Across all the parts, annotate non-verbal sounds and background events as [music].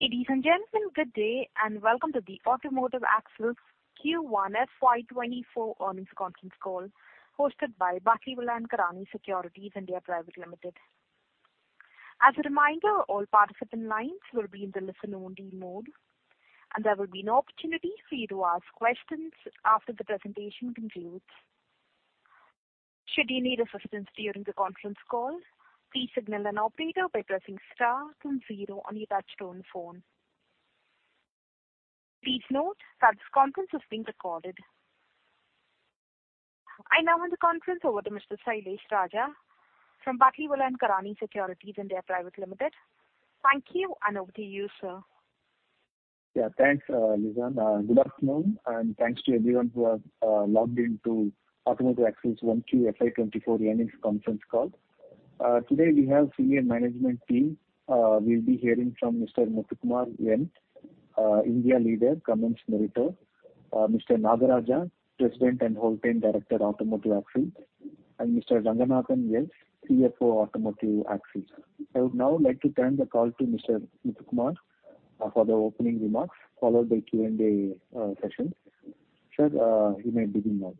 Ladies and gentlemen, good day, and welcome to the Automotive Axles Q1 FY 2024 earnings conference call, hosted by Batlivala & Karani Securities India Private Limited. As a reminder, all participant lines will be in the listen-only mode, and there will be an opportunity for you to ask questions after the presentation concludes. Should you need assistance during the conference call, please signal an operator by pressing star then zero on your touchtone phone. Please note that this conference is being recorded. I now hand the conference over to Mr. Sailesh Raja from Batlivala & Karani Securities India Private Limited. Thank you, and over to you, sir. Yeah, thanks, Lisa. Good afternoon, and thanks to everyone who has logged in to Automotive Axles 1Q FY 2024 earnings conference call. Today we have senior management team. We'll be hearing from Mr. N. Muthukumar, India Leader, Cummins Meritor, Mr. Nagaraja, President and Whole-Time Director, Automotive Axles, and Mr. Ranganathan S., CFO, Automotive Axles. I would now like to turn the call to Mr. Muthukumar for the opening remarks, followed by Q&A session. Sir, you may begin now.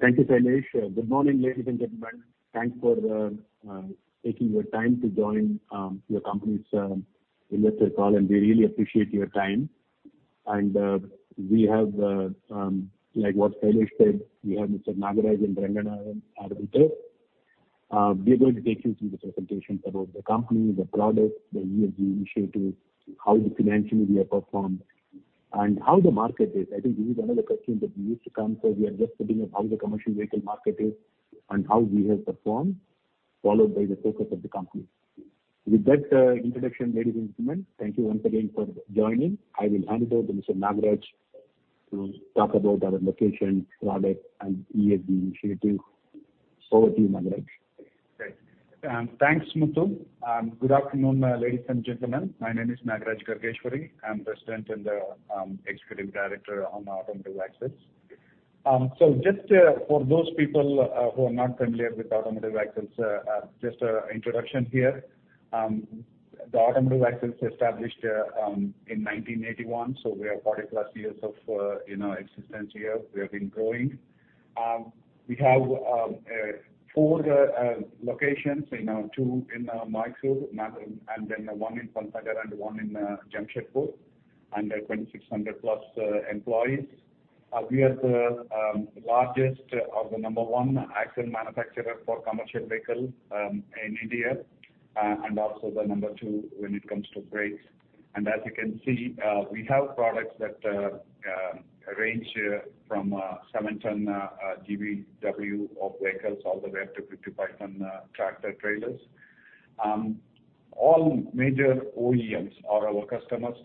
Thank you, Sailesh. Good morning, ladies and gentlemen. Thanks for taking your time to join your company's investor call, and we really appreciate your time. We have, like what Sailesh said, we have Mr. Nagaraja and Ranganathan are with us. We are going to take you through the presentation about the company, the products, the ESG initiatives, how financially we have performed, and how the market is. I think this is another question that we used to come, so we are just putting up how the commercial vehicle market is and how we have performed, followed by the focus of the company. With that, introduction, ladies and gentlemen, thank you once again for joining. I will hand it over to Mr. Nagaraja to talk about our location, product, and ESG initiative. Over to you, Nagaraja. Great. Thanks, Muthu. Good afternoon, ladies and gentlemen. My name is Nagaraja Gargeshwari. I'm President and Executive Director on Automotive Axles. So just for those people who are not familiar with Automotive Axles, just a introduction here. The Automotive Axles established in 1981, so we have 40+ years of, you know, existence here. We have been growing. We have four locations, you know, two in Mysore, and then one in Pantnagar and one in Jamshedpur, and 2,600+ employees. We are the largest or the number one axle manufacturer for commercial vehicle in India, and also the number two when it comes to brakes. As you can see, we have products that range from 7-ton GVW of vehicles all the way up to 55-ton tractor-trailers. All major OEMs are our customers.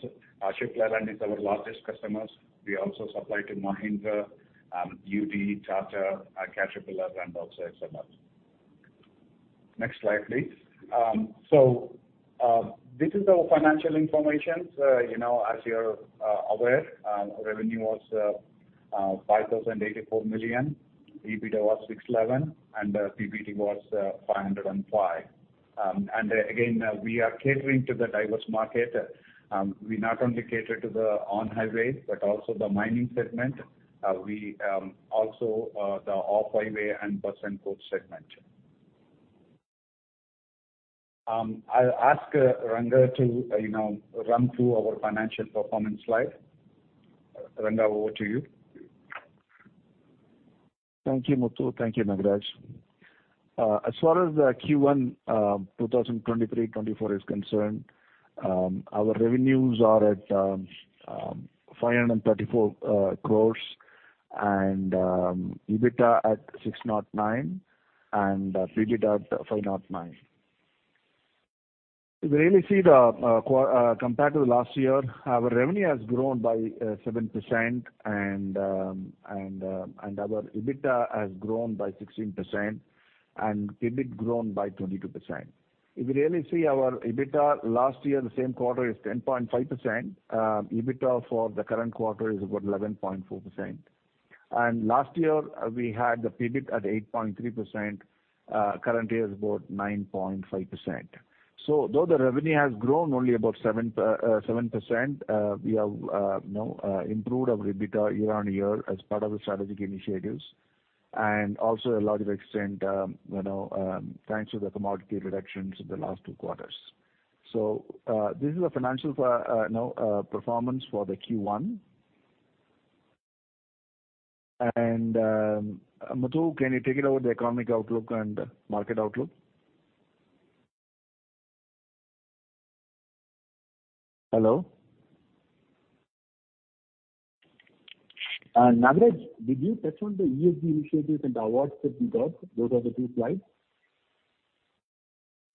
Ashok Leyland is our largest customers. We also supply to Mahindra, UD, Tata, Caterpillar, and also SML Isuzu. Next slide, please. This is our financial information. You know, as you're aware, revenue was 5,084 million, EBITDA was 611 million, and PBT was 505 million. And again, we are catering to the diverse market. We not only cater to the on-highway, but also the mining segment. We also the off-highway and bus and coach segment. I'll ask Ranga to, you know, run through our financial performance slide. Ranga, over to you. Thank you, Muthu. Thank you, Nagaraja. As far as the Q1, 2023-24 is concerned, our revenues are at 534 crore and EBITDA at 69 crore and PBIT at 159 crore. If you really see the compared to the last year, our revenue has grown by 7%, and and our EBITDA has grown by 16%, and PBIT grown by 22%. If you really see our EBITDA last year, the same quarter is 10.5%. EBITDA for the current quarter is about 11.4%. And last year, we had the PBIT at 8.3%, current year is about 9.5%. So though the revenue has grown only about 7%, we have, you know, improved our EBITDA year-on-year as part of the strategic initiatives, and also a large extent, you know, thanks to the commodity reductions in the last two quarters. So, this is a financial, you know, performance for the Q1. And, Muthu, can you take it over the economic outlook and market outlook? Hello? Nagaraja, did you touch on the ESG initiatives and the awards that we got? Those are the two slides.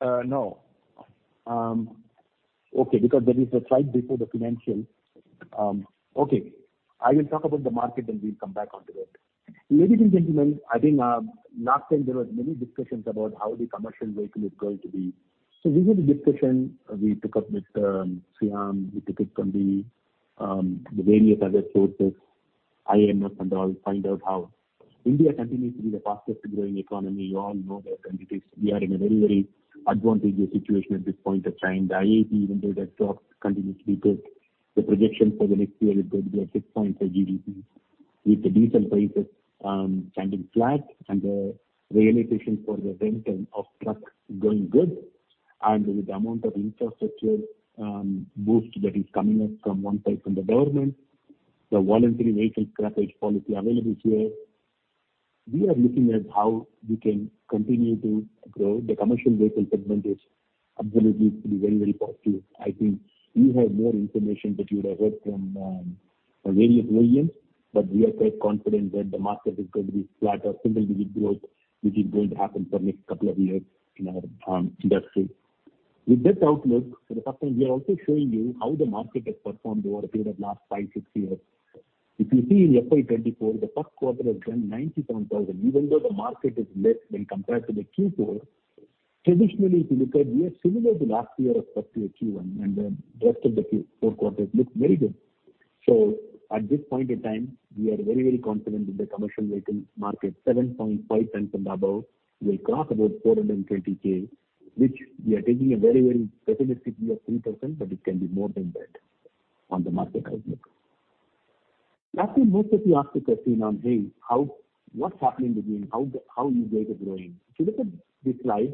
Uh, no. Okay, because there is a slide before the financial. Okay. I will talk about the market, and we'll come back onto that. Ladies and gentlemen, I think, last time there was many discussions about how the commercial vehicle is going to be. So this is a discussion we took up with, SIAM, we took it from the, the various other sources, IMF and all find out how India continues to be the fastest growing economy. You all know that, and it is, we are in a very, very advantageous situation at this point of time. The IIP, even though the stock continues to be good, the projection for the next year is going to be a 6.5 GDP, with the diesel prices, standing flat and the realization for the rental of trucks going good. With the amount of infrastructure boost that is coming up from one side, from the government, the voluntary vehicle scrappage policy available here, we are looking at how we can continue to grow. The commercial vehicle segment is absolutely to be very, very positive. I think you have more information that you would have heard from various OEMs, but we are quite confident that the market is going to be flat or single-digit growth, which is going to happen for next couple of years in our industry. With this outlook, for the first time, we are also showing you how the market has performed over a period of last 5-6 years. If you see in FY 2024, the first quarter has done 97,000, even though the market is less when compared to the Q4. Traditionally, if you look at, we are similar to last year as per to your Q1, and the rest of the four quarters looks very good. So at this point in time, we are very, very confident that the commercial vehicle market, 7.5% and above, will cross about 420K, which we are taking a very, very pessimistic view of 3%, but it can be more than that on the market outlook. Lastly, most of you asked the question on, hey, what's happening with you? How, how is Tata growing? If you look at this slide,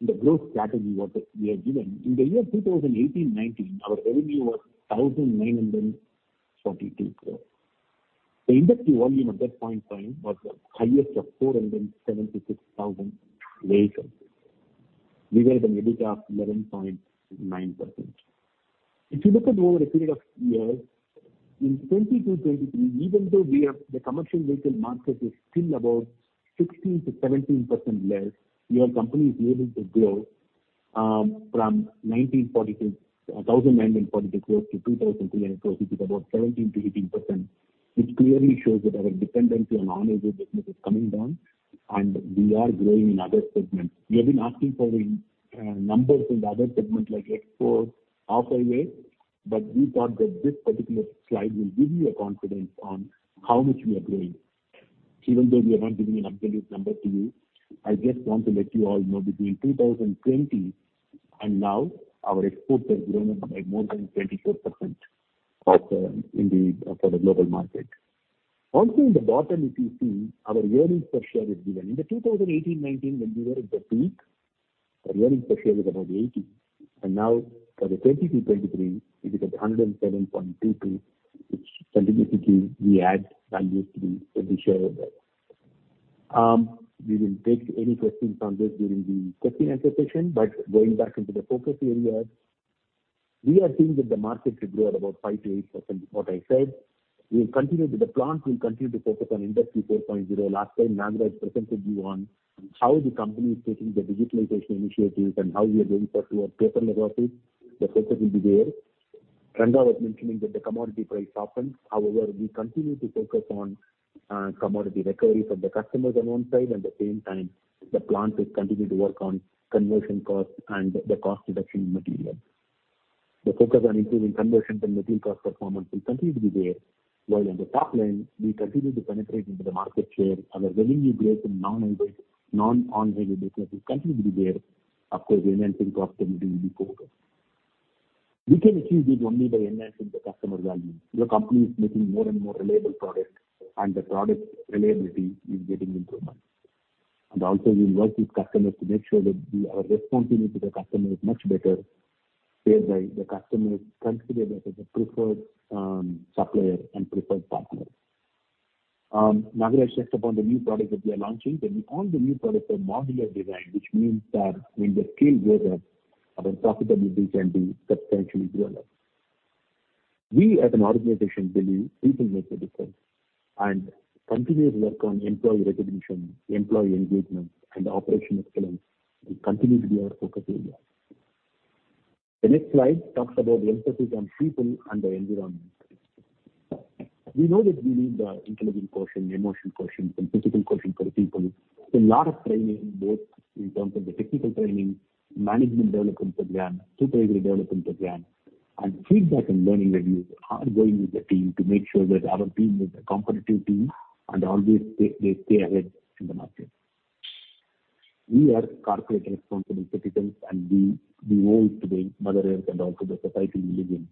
the growth strategy, what we have given. In the year 2018-19, our revenue was 1,942 crore. The industry volume at that point in time was the highest of 476,000 vehicles. We were the market of 11.9%. If you look at over a period of years, in 2022, 2023, even though we are. The commercial vehicle market is still about 16%-17% less, your company is able to grow from 1,942, a thousand nine hundred and forty-two crore to 2,300 crore, which is about 17%-18%, which clearly shows that our dependency on on-highway business is coming down, and we are growing in other segments. You have been asking for the numbers in the other segments, like export, off-highway, but we thought that this particular slide will give you a confidence on how much we are growing. Even though we are not giving an absolute number to you, I just want to let you all know, between 2020 and now, our exports have grown up by more than 24% of, in the, for the global market. Also, in the bottom, if you see, our earnings per share is given. In the 2018-19, when we were at the peak, our earnings per share was about 80, and now for the 2022-23, it is at 107.22, which significantly we add value to the, to the shareholder. We will take any questions on this during the question answer session. But going back into the focus areas, we are seeing that the market should grow at about 5%-8%, what I said. We will continue with the plant, we'll continue to focus on Industry 4.0. Last time, Nagaraja presented you on how the company is taking the digitalization initiatives and how we are going towards paperless office. The focus will be there. Ranga was mentioning that the commodity price softened. However, we continue to focus on commodity recovery from the customers on one side, and at the same time, the plant will continue to work on conversion costs and the cost reduction in material. The focus on improving conversion and material cost performance will continue to be there. While on the top line, we continue to penetrate into the market share. Our revenue growth in non-highway, non-on-highway business will continue to be there. Of course, enhancing profitability will be focused. We can achieve this only by enhancing the customer value. Your company is making more and more reliable products, and the product reliability is getting improvement. Also, we work with customers to make sure that we are responsive to the customer is much better, whereby the customer is considered as a preferred supplier and preferred partner. Nagaraja touched upon the new products that we are launching, and all the new products are modular design, which means that when the scale goes up, our profitability can be substantially developed. We, as an organization, believe people make a difference and continuously work on employee recognition, employee engagement, and operational excellence will continue to be our focus area. The next slide talks about the emphasis on people and the environment. We know that we need the intelligent quotient, emotional quotient, and physical quotient for the people. So a lot of training, both in terms of the technical training, management development program, supervisory development program, and feedback and learning reviews are going with the team to make sure that our team is a competitive team and always they, they stay ahead in the market. We are corporate responsible citizens, and we owe to the Mother Earth and also the society we live in.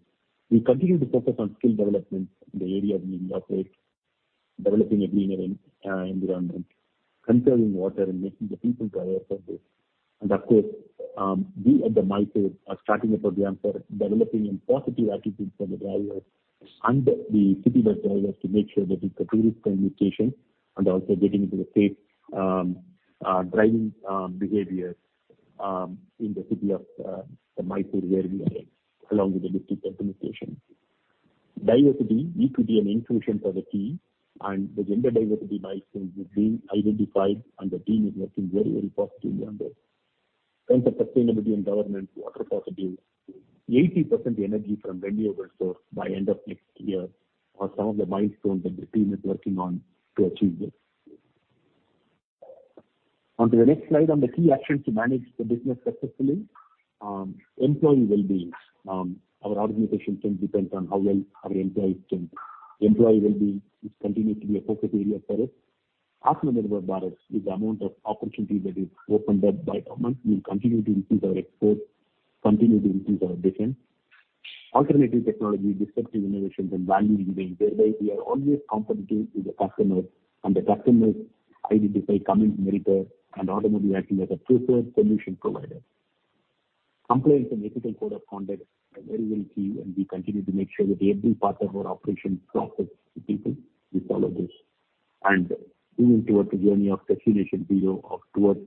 We continue to focus on skill development in the area of new corporate, developing a greener environment, conserving water, and making the people aware of this. Of course, we at the Mysore are starting a program for developing a positive attitude for the drivers and the city bus drivers to make sure that it's a tourist communication and also getting into the safe, driving, behaviors, in the city of, the Mysore, where we are, along with the district administration. Diversity need to be an inclusion for the team and the gender diversity by so is being identified, and the team is working very, very positively on this. Center sustainability and government water positive. 80% energy from renewable source by end of next year are some of the milestones that the team is working on to achieve this. On to the next slide, on the key actions to manage the business successfully. Employee wellbeing, our organization strength depends on how well our employees can. Employee wellbeing is continuing to be a focus area for us. Customer-led products, with the amount of opportunity that is opened up by government, we will continue to increase our exports, continue to increase our defense. Alternative technology, disruptive innovations, and value-leading, we are always competitive to the customer, and the customers highly decide coming to Mahindra and automatically acting as a preferred solution provider. Compliance and ethical code of conduct are very well key, and we continue to make sure that every part of our operation process, the people, we follow this. And moving towards the journey of Destination Zero of towards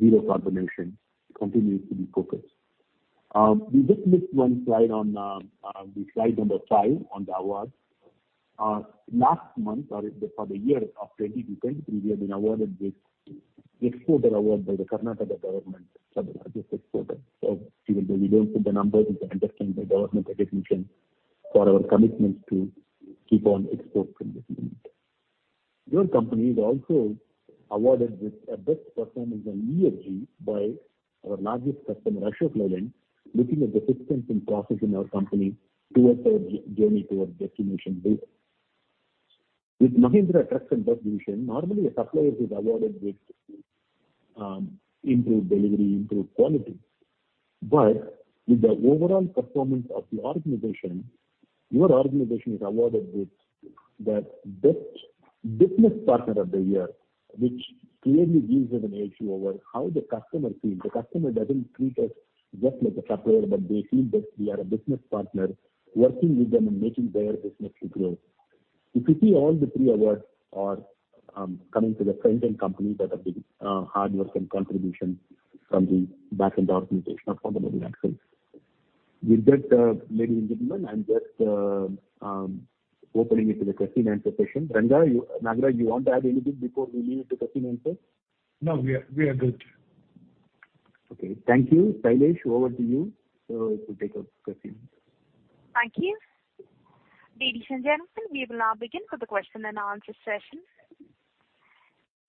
zero carbon emission continues to be focused. We just missed one slide on the slide number 5 on the awards. Last month, or for the year of 2023, we have been awarded with Exporter Award by the Karnataka government for the largest exporter. So even though we don't see the numbers, it's an understanding the government recognition for our commitments to keep on export from this unit. Your company is also awarded with a Best Performance on ESG by our largest customer, Ashok Leyland, looking at the systems and process in our company towards our journey towards Destination Zero. With Mahindra Truck and Bus Division, normally, a supplier is awarded with improved delivery, improved quality. But with the overall performance of the organization, your organization is awarded with the Best Business Partner of the Year, which clearly gives us an edge over how the customer feels. The customer doesn't treat us just like a supplier, but they feel that we are a business partner working with them and making their business to grow. If you see all the three awards are coming to the front-end company that have been hard work and contribution from the back-end organization of. [inaudible] With that, ladies and gentlemen, I'm just opening it to the question and answer session. Ranga, you, Nagaraja, you want to add anything before we leave to question answer? No, we are, we are good. Okay, thank you. Sailesh, over to you, so to take our questions. Thank you. Ladies and gentlemen, we will now begin with the question and answer session.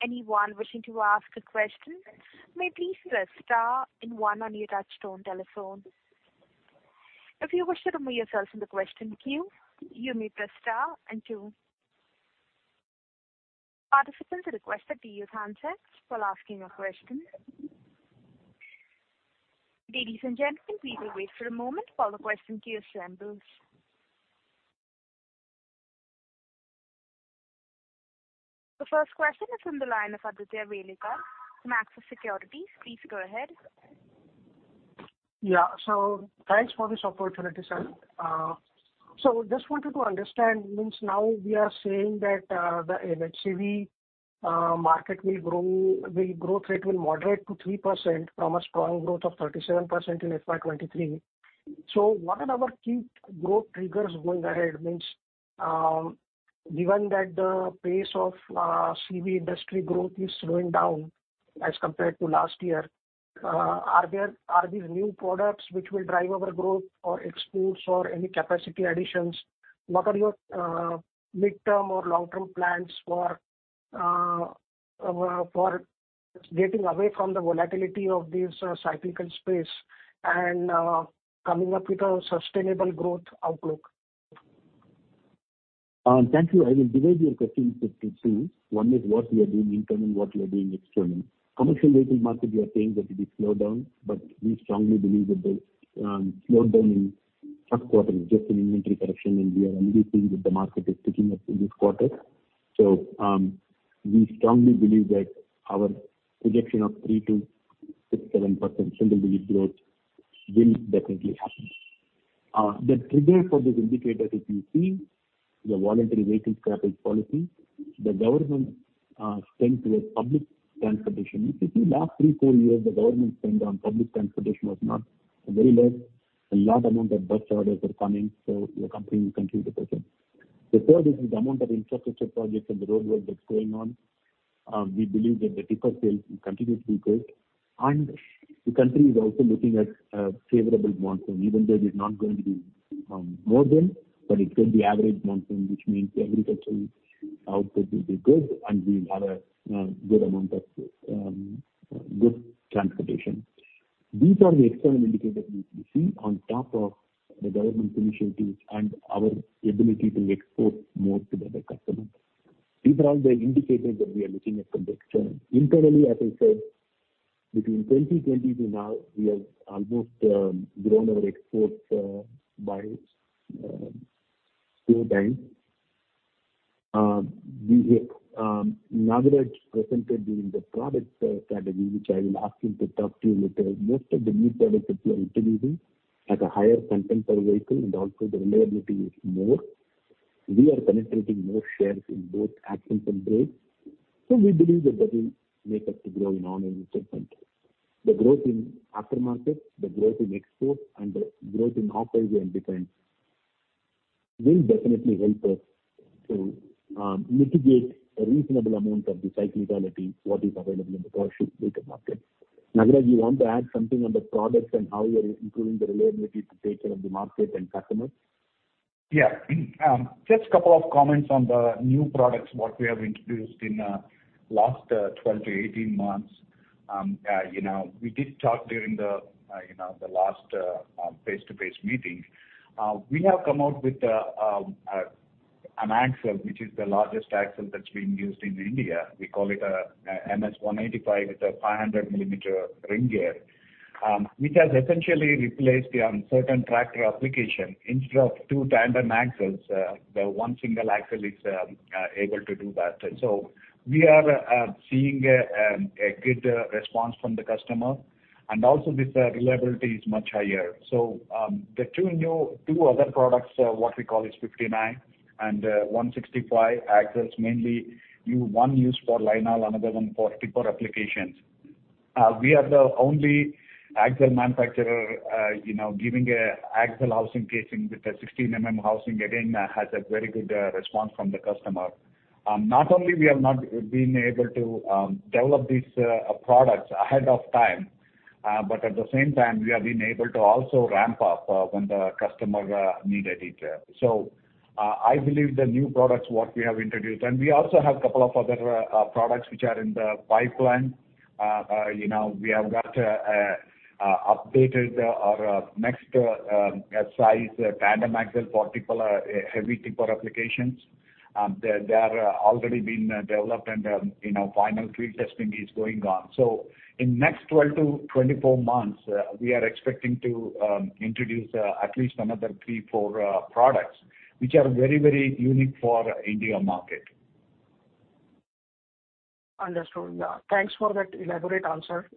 Anyone wishing to ask a question may please press star and one on your touchtone telephone. If you wish to remove yourself from the question queue, you may press star and two. Participants are requested to use handsets while asking a question. Ladies and gentlemen, please wait for a moment while the question queue assembles. The first question is from the line of Aditya Welekar, Axis Securities. Please go ahead. Yeah. So thanks for this opportunity, sir. So just wanted to understand, means now we are saying that, the MHCV market will grow, the growth rate will moderate to 3% from a strong growth of 37% in FY 2023. So what are our key growth triggers going ahead? Means, given that the pace of, CV industry growth is slowing down as compared to last year, are there, are these new products which will drive our growth or exports or any capacity additions? What are your, midterm or long-term plans for, for getting away from the volatility of this cyclical space and, coming up with a sustainable growth outlook? Thank you. I will divide your question into two. One is what we are doing internally, what we are doing externally. Commercial vehicle market, we are saying that it is slowed down, but we strongly believe that the slowdown in first quarter is just an inventory correction, and we are already seeing that the market is picking up in this quarter. So, we strongly believe that our projection of 3%-7% single-digit growth will definitely happen. The trigger for this indicator, if you see, the voluntary vehicle scrappage policy, the government spend towards public transportation. If you see last 3-4 years, the government spend on public transportation was not very less. A lot amount of bus orders are coming, so the company will continue the business. The third is the amount of infrastructure projects and the roadwork that's going on. We believe that the tipper sales will continue to be good, and the country is also looking at a favorable monsoon, even though it is not going to be more than, but it could be average monsoon, which means the agricultural output will be good, and we will have a good amount of good transportation. These are the external indicators which we see on top of the government initiatives and our ability to export more to the other customers. These are all the indicators that we are looking at from the external. Internally, as I said, between 2020 to now, we have almost grown our exports by four times. We have Nagaraja presented during the product strategy, which I will ask him to talk to you later. Most of the new products which we are introducing at a higher content per vehicle and also the reliability is more. We are penetrating more shares in both axles and brakes, so we believe that that will make us to grow in non-industry centric. The growth in aftermarket, the growth in export, and the growth in aftermarket and defense will definitely help us to mitigate a reasonable amount of the cyclicality, what is available in the commercial vehicle market. Nagaraja, you want to add something on the products and how you are improving the reliability to take care of the market and customers? .Yeah, just a couple of comments on the new products, what we have introduced in last 12-18 months. You know, we did talk during the you know, the last face-to-face meeting. We have come out with an axle, which is the largest axle that's been used in India. We call it a MS-185. It's a 500 mm ring gear, which has essentially replaced the certain tractor application. Instead of two tandem axles, the one single axle is able to do that. So we are seeing a good response from the customer, and also this reliability is much higher. So, the two new, two other products are what we call is 59 and, one 165 axles, mainly one used for linehaul, another one for tipper applications. We are the only axle manufacturer, you know, giving a axle housing casing with a 16 mm housing. Again, has a very good, response from the customer. Not only we have not been able to, develop these, products ahead of time, but at the same time, we have been able to also ramp up, when the customer, needed it. So, I believe the new products, what we have introduced, and we also have a couple of other, products which are in the pipeline. You know, we have got, updated our, next, size tandem axle for tipper, heavy tipper applications. They are already been developed and, you know, final field testing is going on. So in next 12months-24 months, we are expecting to introduce at least another three, four products which are very, very unique for India market. Understood. Thanks for that elaborate answer.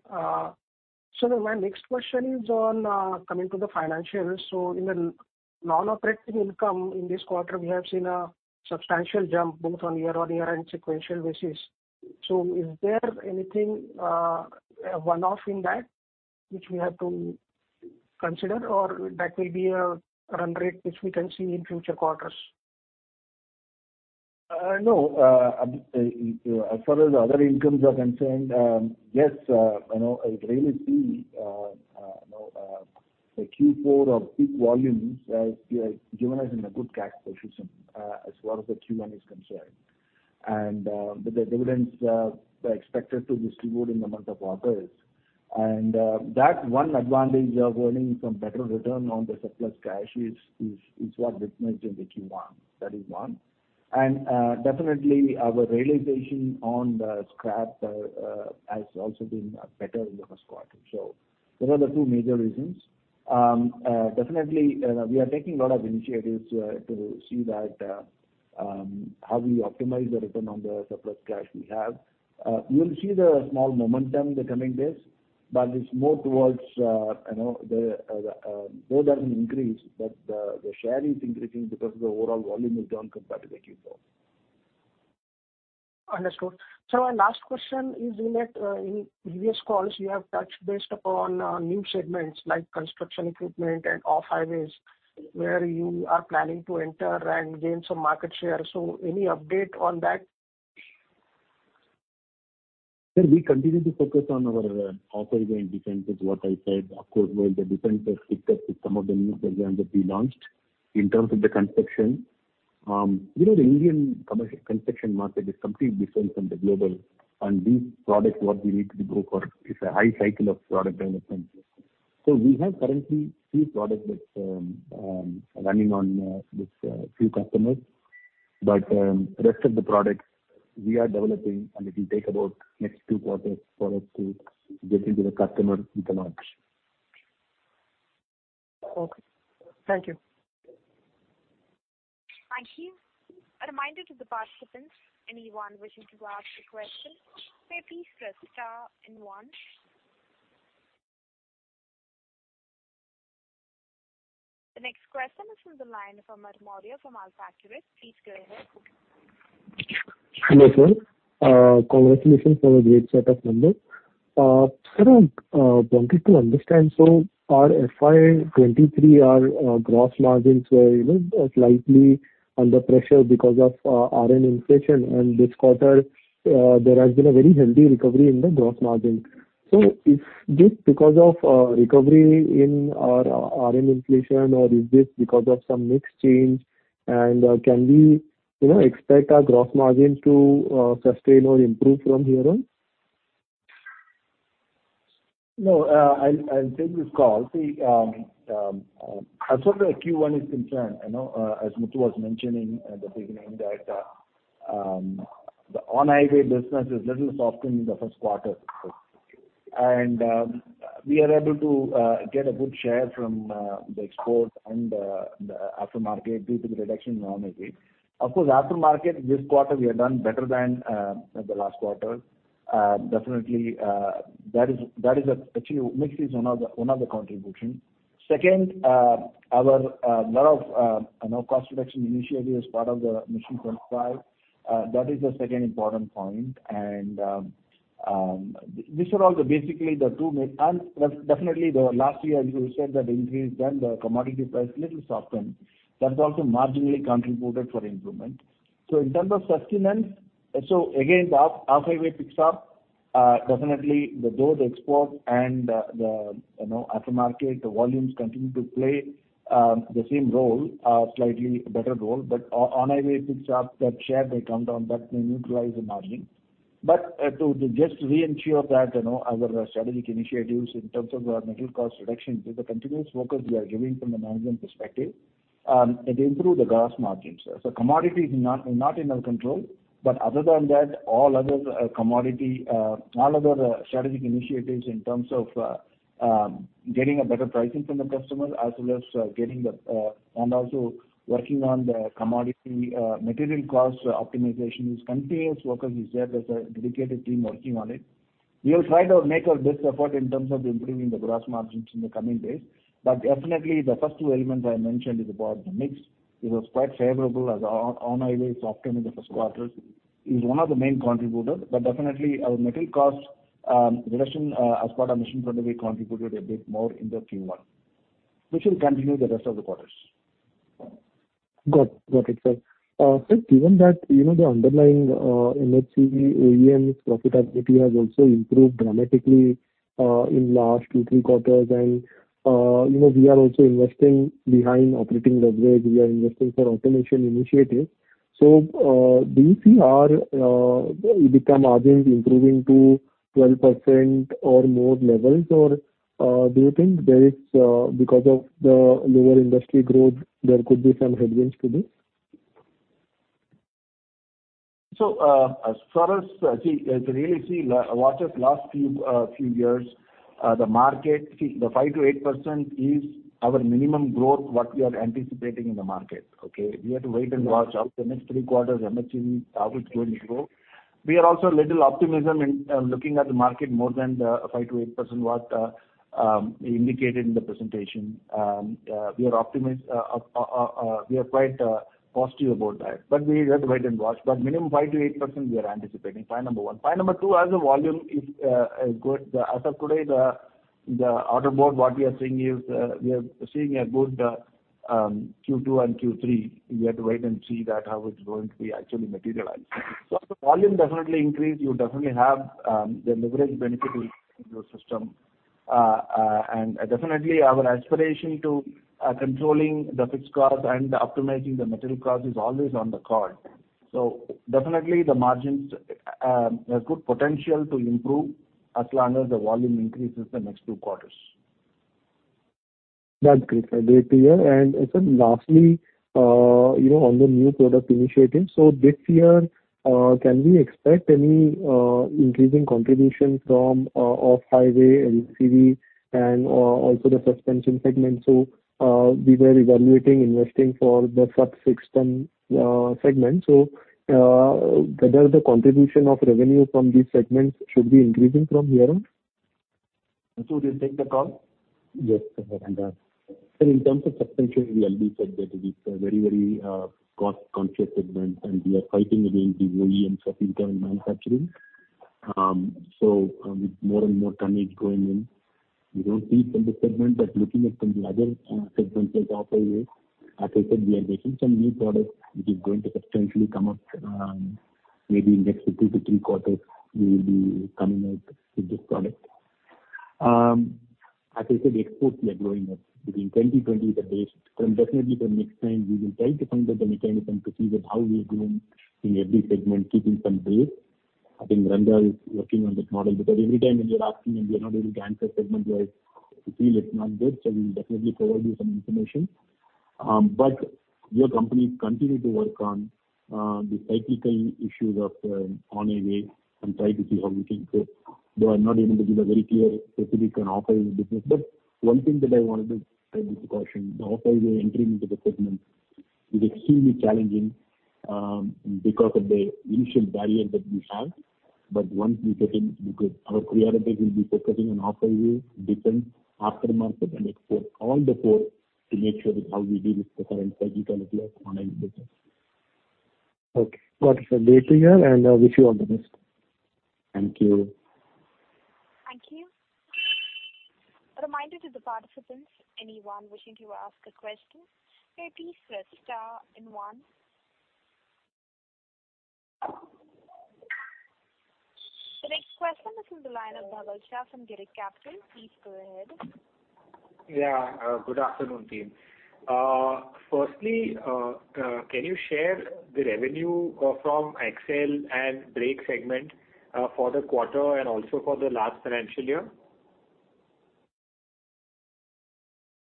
So my next question is on coming to the financials. So in the non-operating income in this quarter, we have seen a substantial jump both on year-on-year and sequential basis. So is there anything, a one-off in that which we have to consider, or that will be a run rate which we can see in future quarters? No, as far as the other incomes are concerned, yes, you know, it really see, you know, the Q4 of peak volumes given us in a good cash position, as far as the Q1 is concerned. The dividends are expected to distribute in the month of August. That one advantage of earning some better return on the surplus cash is what we've made in the Q1. That is one. Definitely our realization on the scrap has also been better in the first quarter. So those are the two major reasons. Definitely, we are taking a lot of initiatives to see that how we optimize the return on the surplus cash we have. You will see the small momentum in the coming days, but it's more towards, you know, the more than increase, but the share is increasing because the overall volume is down compared to the Q4. Understood. So my last question is, in that, in previous calls, you have touched based upon, new segments like construction equipment and off-highways, where you are planning to enter and gain some market share. So any update on that? So we continue to focus on our off-highway and defense, is what I said. Of course, where the defense has picked up with some of the new programs that we launched. In terms of the construction, you know, the Indian commercial construction market is completely different from the global, and these products, what we need to go for, is a high cycle of product development. So we have currently few products that running on with few customers, but rest of the products we are developing, and it will take about next two quarters for us to get into the customer and launch. Okay. Thank you. Thank you. A reminder to the participants, anyone wishing to ask a question, may please press star and one. The next question is from the line from Madhur Maurya from AlfAccurate. Please go ahead. Hello, sir. Congratulations on a great set of numbers. Sir, wanted to understand, so our FY 2023, our gross margins were, you know, slightly under pressure because of raw inflation, and this quarter, there has been a very healthy recovery in the gross margin. So is this because of recovery in our RN inflation, or is this because of some mix change? And, can we, you know, expect our gross margins to sustain or improve from here on? No, I'll take this call. See, as far as the Q1 is concerned, you know, as Muthu was mentioning at the beginning, that, the on-highway business is little softened in the first quarter. And, we are able to get a good share from the export and the aftermarket due to the reduction in raw material. Of course, aftermarket, this quarter, we have done better than the last quarter. Definitely, that is, that is actually, mix is another, one of the contribution. Second, our lot of, you know, cost reduction initiative as part of the Mission 25, that is the second important point. And, these are all the basically the two main... And that's definitely the last year you said that increase, then the commodity price little softened. That's also marginally contributed for improvement. So in terms of sustenance, so again, the off-highway picks up. Definitely both export and the, the, you know, aftermarket, the volumes continue to play the same role, slightly better role. But on-highway picks up that share may come down, that may neutralize the margin. But to just reassure that, you know, our strategic initiatives in terms of our material cost reduction is a continuous focus we are giving from a management perspective, it improve the gross margins. So commodity is not in our control, but other than that, all other commodity, all other strategic initiatives in terms of getting a better pricing from the customer, as well as getting the and also working on the commodity material cost optimization is continuous work is there. There's a dedicated team working on it. We will try to make our best effort in terms of improving the gross margins in the coming days. But definitely, the first two elements I mentioned is about the mix. It was quite favorable as on-highway, soft in the first quarter, is one of the main contributors. But definitely, our material cost reduction as part of mission we contributed a bit more in the Q1, which will continue the rest of the quarters. Got it, sir. Sir, given that, you know, the underlying MHE OEM's profitability has also improved dramatically in last 2-3 quarters, and, you know, we are also investing behind operating leverage. We are investing for automation initiatives. So, do you see our EBITDA margins improving to 12% or more levels? Or, do you think there is, because of the lower industry growth, there could be some headwinds to this? So, as far as the last few years, the market, the 5%-8% is our minimum growth, what we are anticipating in the market, okay? We have to wait and watch the next three quarters, MHCV, how it's going to grow. We are also a little optimistic in looking at the market more than the 5%-8%, what we indicated in the presentation. We are quite positive about that, but we have to wait and watch. But minimum 5%-8%, we are anticipating, point number one. Point number two, as the volume is good, as of today, the order book, what we are seeing is, we are seeing a good Q2 and Q3. We have to wait and see that, how it's going to be actually materialized. So as the volume definitely increase, you definitely have the leverage benefit in your system. And definitely, our aspiration to controlling the fixed cost and optimizing the material cost is always on the card. So definitely, the margins have good potential to improve as long as the volume increases the next two quarters. That's great, sir. Great to hear. And sir, lastly, you know, on the new product initiatives, so this year, can we expect any increasing contribution from off-highway, MHE, and also the suspension segment? So, we were evaluating investing for the subsystem segment. So, whether the contribution of revenue from these segments should be increasing from here on? So, do you take the call? Yes, sir. And, so in terms of suspension, we already said that it is a very, very, cost-conscious segment, and we are fighting against the OEMs of internal manufacturing. So, more and more tonnage going in. We don't see from the segment, but looking at from the other, segments like off-highway, as I said, we are getting some new products, which is going to substantially come up, maybe in next two to three quarters, we will be coming out with this product. As I said, exports are growing up between 20, 20 the base. And definitely the next time, we will try to find out the mechanism to see that how we are doing in every segment, keeping some base. I think Ranga is working on this model, because every time when you're asking me, we are not able to answer segment-wise, we feel it's not good. So we will definitely provide you some information. But your company continue to work on, the cyclical issues of, on-highway and try to see how we can go. Though I'm not able to give a very clear, specific and offering business, but one thing that I wanted to caution, the off-highway entering into the segment is extremely challenging, because of the initial barrier that we have. But once we get in, because our priorities will be focusing on off-highway, defense, aftermarket, and export, all the four, to make sure that how we deal with the current cyclical of your on-highway business. Okay. Got it, sir. Great to hear, and I wish you all the best. Thank you. Thank you. A reminder to the participants, anyone wishing to ask a question, may please press star and one. The next question is from the line of Dhaval Shah from Girik Capital. Please go ahead. Yeah, good afternoon, team. Firstly, can you share the revenue from axle and brake segment for the quarter and also for the last financial year?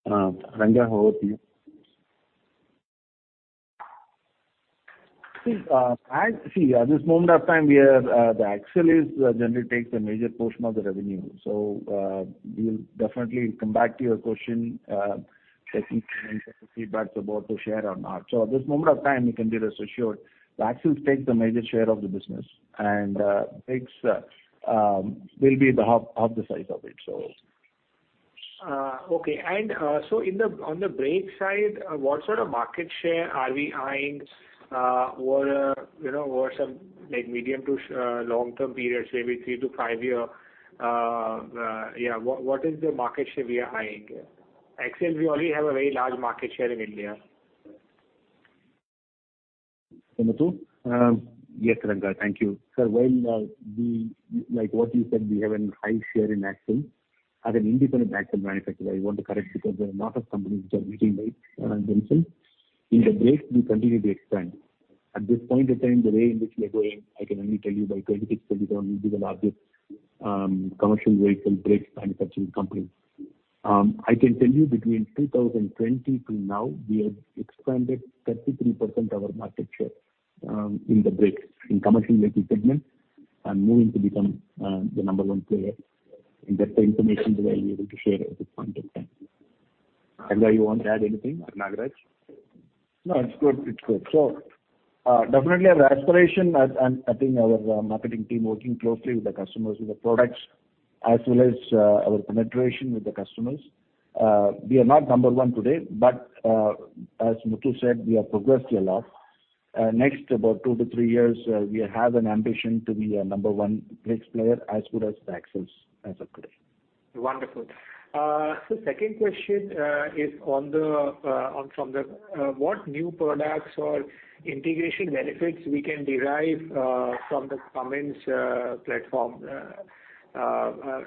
Ranga, over to you. See, at this moment of time, we are, the axle is generally takes a major portion of the revenue. So, we will definitely come back to your question, checking feedback about to share or not. So at this moment of time, you can be rest assured, the axles take the major share of the business, and, brakes, will be the half, half the size of it, so. Okay. And, so in the, on the brake side, what sort of market share are we eyeing, over, you know, over some, like, medium to, long-term periods, maybe 3 to 5 year? Yeah, what, what is the market share we are eyeing here? Axles, we already have a very large market share in India. Yes, Ranga, thank you. Sir, while we like what you said, we have a high share in axle. As an independent axle manufacturer, I want to correct, because there are a lot of companies which are meeting right, themselves. In the brakes, we continue to expand. At this point of time, the way in which we are going, I can only tell you by 2026, 2027, we'll be the largest commercial vehicle brakes manufacturing company. I can tell you between 2020 till now, we have expanded 33% our market share in the brakes, in commercial vehicle segment, and moving to become the number one player. And that's the information that I'm able to share at this point in time. Ranga, you want to add anything, or Nagaraja? No, it's good. It's good. So, definitely our aspiration, and I think our marketing team working closely with the customers, with the products, as well as our penetration with the customers. We are not number one today, but as Muthu said, we have progressed a lot. Next, about 2-3 years, we have an ambition to be a number one brakes player as good as the axles as of today. Wonderful. So second question is on the, on from the, what new products or integration benefits we can derive from the Cummins platform?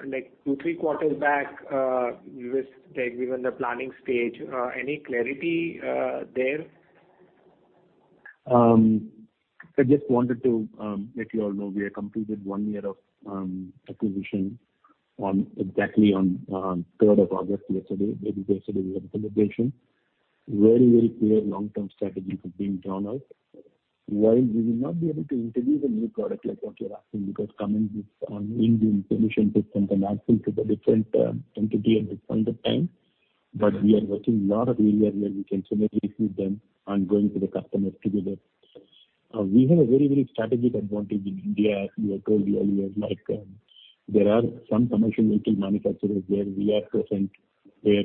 Like 2, 3 quarters back, you were saying we were in the planning stage. Any clarity there? I just wanted to let you all know we have completed one year of acquisition on exactly on third of August, yesterday. Maybe yesterday we had the celebration. Very, very clear long-term strategy for being joined us. While we will not be able to introduce a new product like what you're asking, because Cummins is on Indian solution systems and Axle to a different entity at this point of time, but we are working a lot of area where we can synergy with them on going to the customers together. We have a very, very strategic advantage in India, as we have told you earlier, like, there are some commercial vehicle manufacturers where we are present, where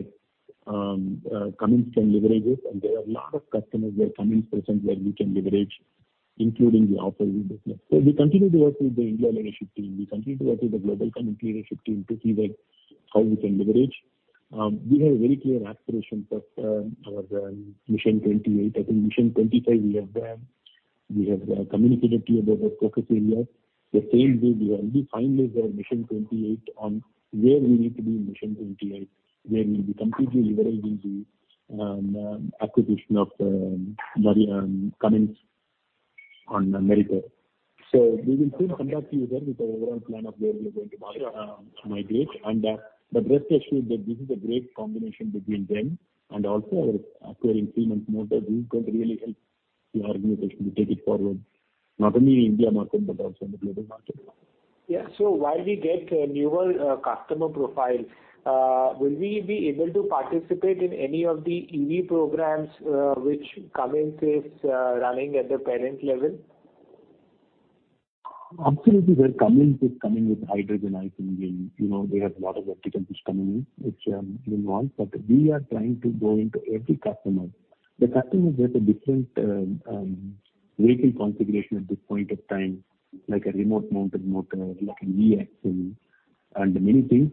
Cummins can leverage it, and there are a lot of customers where Cummins present, where we can leverage, including the after business. So we continue to work with the India leadership team. We continue to work with the global Cummins leadership team to see that how we can leverage. We have a very clear aspiration for our Mission 28. I think Mission 25, we have communicated to you about the focus area. The same way, we have only finalized our Mission 28 on where we need to be in Mission 28, where we'll be completely leveraging the acquisition of the Cummins Meritor. So we will soon come back to you then with our overall plan of where we are going to migrate. Rest assured that this is a great combination between them and also our acquiring Cummins Meritor is going to really help the organization to take it forward, not only in India market, but also in the global market. Yeah. So while we get a newer customer profile, will we be able to participate in any of the EV programs which Cummins is running at the parent level? Absolutely, where Cummins is coming with hydrogen engine in, you know, they have a lot of vehicles which coming in, which, you want, but we are trying to go into every customer. The customers have a different, vehicle configuration at this point of time, like a remote mounted motor, like an e-Axle and many things.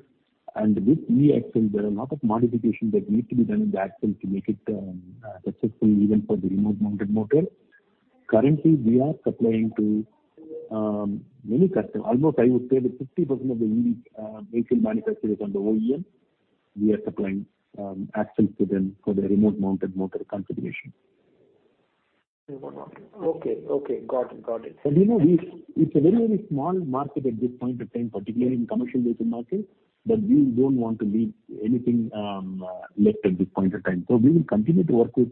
And with e-Axle, there are a lot of modifications that need to be done in the axle to make it, successful even for the remote mounted motor. Currently, we are supplying to, many customers almost I would say that 50% of the EV, vehicle manufacturers on the OEM, we are supplying, axles to them for the remote mounted motor configuration. Remote mounted. Okay, okay. Got it. Got it. You know, it's a very, very small market at this point of time, particularly in commercial vehicle market, but we don't want to leave anything left at this point of time. So we will continue to work with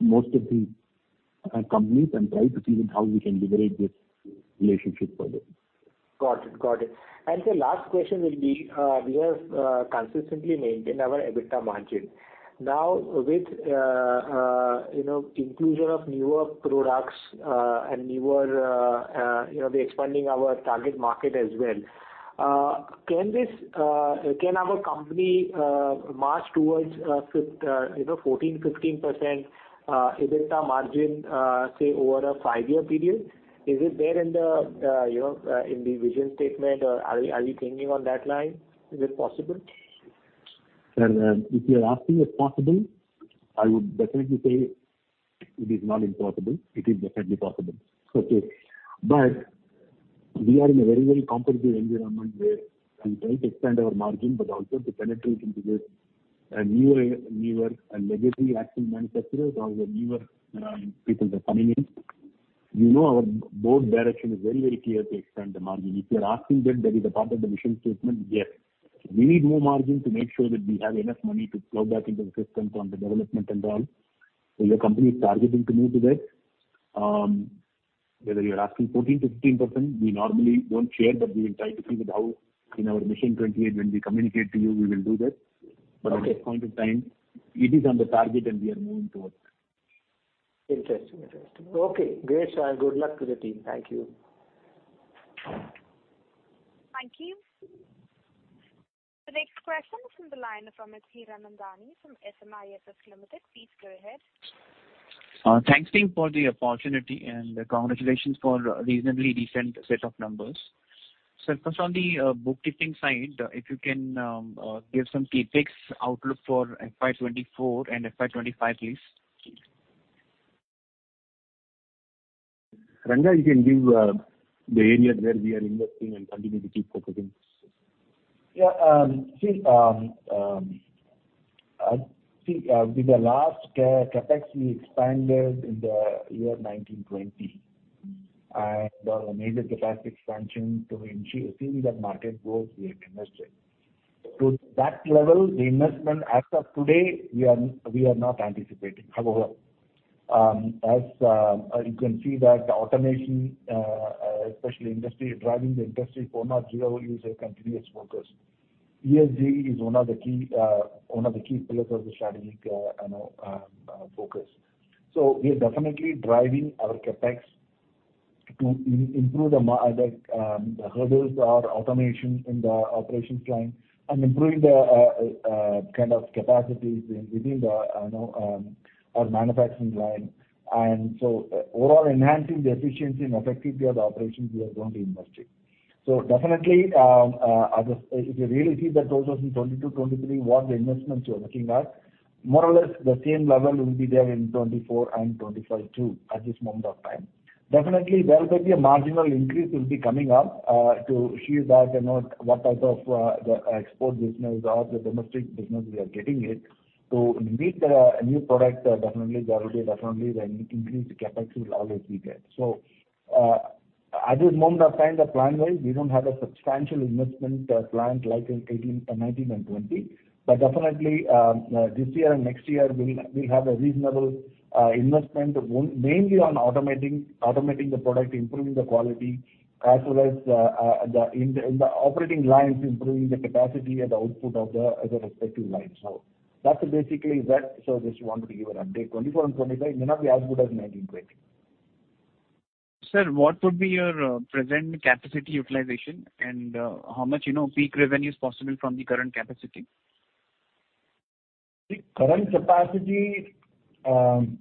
most of the companies and try to see how we can leverage this relationship further. Got it. Got it. Last question will be, we have consistently maintained our EBITDA margin. Now, with, you know, inclusion of newer products, and newer, you know, we're expanding our target market as well. Can this, can our company, march towards, fifth, you know, 14%-15% EBITDA margin, say, over a 5-year period? Is it there in the, you know, in the vision statement, or are you, are you thinking on that line? Is it possible? If you're asking, it's possible, I would definitely say it is not impossible. It is definitely possible. Okay. But we are in a very, very competitive environment where we try to expand our margin, but also to penetrate into the, newer, newer and legacy axle manufacturers or the newer, people that are coming in. You know, our board direction is very, very clear to expand the margin. If you are asking that, that is a part of the mission statement, yes. We need more margin to make sure that we have enough money to plow back into the system from the development and all. So your company is targeting to move to that. Whether you are asking 14%-15%, we normally don't share, but we will try to see that how in our Mission 28, when we communicate to you, we will do that. Okay. At this point in time, it is on the target, and we are moving towards it. Interesting. Interesting. Okay, great. So good luck to the team. Thank you. Thank you. The next question is from the line from Mithila Nandani, from SMIFS Limited. Please go ahead. Thanks, team, for the opportunity, and congratulations for a reasonably decent set of numbers. Sir, first on the bookkeeping side, if you can give some CapEx outlook for FY 24 and FY 25, please. Ranga, you can give the areas where we are investing and continuing to keep focusing. Yeah, see, with the last CapEx, we expanded in the year 2019-20, and our major CapEx expansion to ensure, seeing the market growth we have invested. To that level, the investment as of today, we are, we are not anticipating. However, as you can see that the automation, especially Industry 4.0 driving the industry for Net Zero is a continuous focus. ESG is one of the key, one of the key pillars of the strategic, you know, focus. So we are definitely driving our CapEx to improve margins through our automation in the operations line and improving the kind of capacities within the, you know, our manufacturing line, and so overall enhancing the efficiency and effectiveness of the operations we are going to be investing. So definitely, if you really see the 2022, 2023, what the investments you are looking at, more or less the same level will be there in 2024 and 2025, too, at this moment of time. Definitely, there will be a marginal increase will be coming up, to ensure that, you know, what type of, the export business or the domestic business we are getting it. To meet the new product, definitely there will be definitely an increased CapEx will always be there. So, at this moment of time, the plan-wise, we don't have a substantial investment plan like in 2018, 2019, and 2020, but definitely, this year and next year, we'll have a reasonable investment, mainly on automating the product, improving the quality, as well as in the operating lines, improving the capacity and the output of the respective lines. So that's basically that. So just wanted to give you an update. 2024 and 2025 may not be as good as 2019-2020. Sir, what would be your present capacity utilization, and how much, you know, peak revenue is possible from the current capacity? The current capacity, on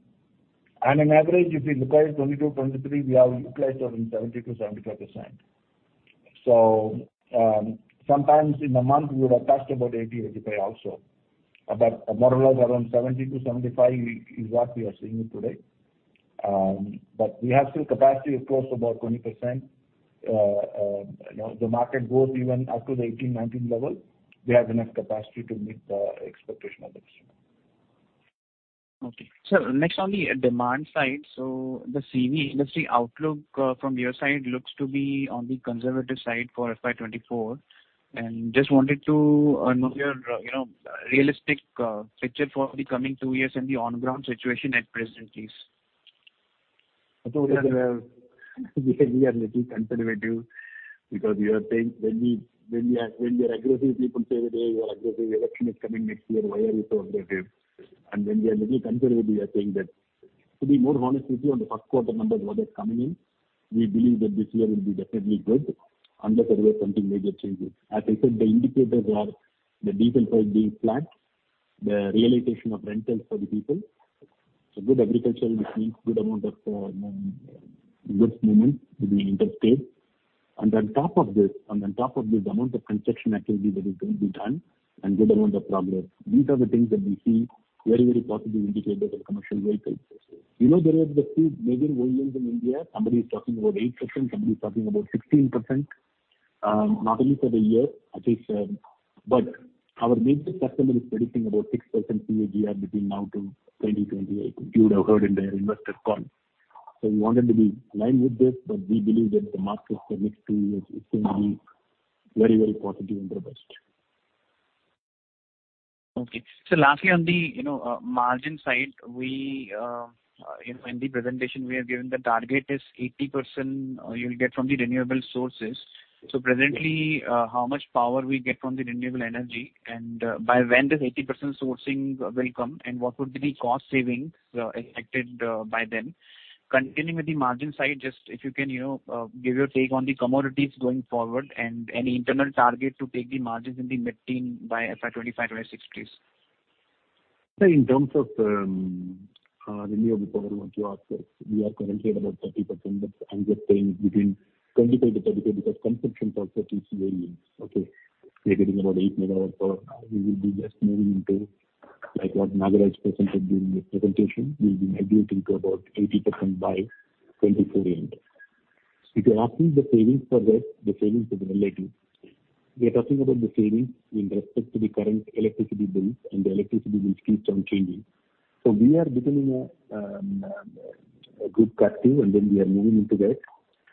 an average, if you look at 2022, 2023, we have utilized around 70%-75%. So, sometimes in a month, we would have touched about 80-85 also. But more or less around 70%-75% is what we are seeing today. But we have still capacity of course about 20%, you know, the market growth even up to the 2018, 2019 level, we have enough capacity to meet the expectation of the customer. Okay. Sir, next on the demand side, so the CV industry outlook from your side looks to be on the conservative side for FY24. Just wanted to know your, you know, realistic picture for the coming two years and the on-ground situation at present, please. So we are little conservative because we think when we are aggressive, people say, "Hey, you are aggressive. Election is coming next year. Why are you so aggressive?" And when we are little conservative, we are saying that, to be more honest with you, on the first quarter numbers, what is coming in, we believe that this year will be definitely good unless there is something major changes. As I said, the indicators are the diesel price being flat, the realization of rentals for the diesel, so good agriculture, which means good amount of goods movement between interstate. And on top of this, the amount of construction activity that is going to be done and good amount of progress. These are the things that we see very, very positive indicators of commercial vehicle. You know, there is the 2 million volumes in India. Somebody is talking about 8%, somebody is talking about 16%, not only for the year, at least, but our major customer is predicting about 6% CAGR between now to 2028. You would have heard in their investor call. So we wanted to be aligned with this, but we believe that the market for next two years is going to be very, very positive and the best. Okay. So lastly, on the, you know, margin side, we in the presentation we have given, the target is 80%, you'll get from the renewable sources. So presently, how much power we get from the renewable energy, and by when this 80% sourcing will come, and what would be the cost savings expected by then? Continuing with the margin side, just if you can, you know, give your take on the commodities going forward and any internal target to take the margins in the mid-teen by FY 25, 26. Sir, in terms of renewable power, what you asked for, we are currently at about 30%, but I'm just saying between 25%-35%, because consumption also is varying. Okay. We are getting about 8 megawatts for now. We will be just moving into, like what Nagaraja presented during the presentation, we'll be migrating to about 80% by 2024 end. If you're asking the savings for this, the savings is related. We are talking about the savings in respect to the current electricity bills, and the electricity bills keeps on changing. So we are becoming a good captive, and then we are moving into that,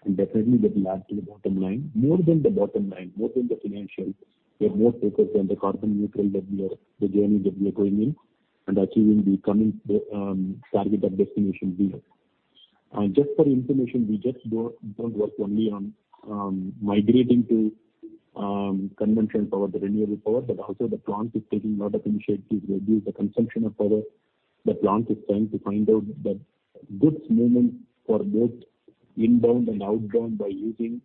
and definitely that will add to the bottom line. More than the bottom line, more than the financials, we are more focused on the carbon neutral that we are the journey that we are going in and achieving the coming target of Destination Zero. And just for information, we just don't work only on migrating to conventional power, the renewable power, but also the plant is taking a lot of initiatives to reduce the consumption of power. The plant is trying to find out the goods movement for both inbound and outbound by using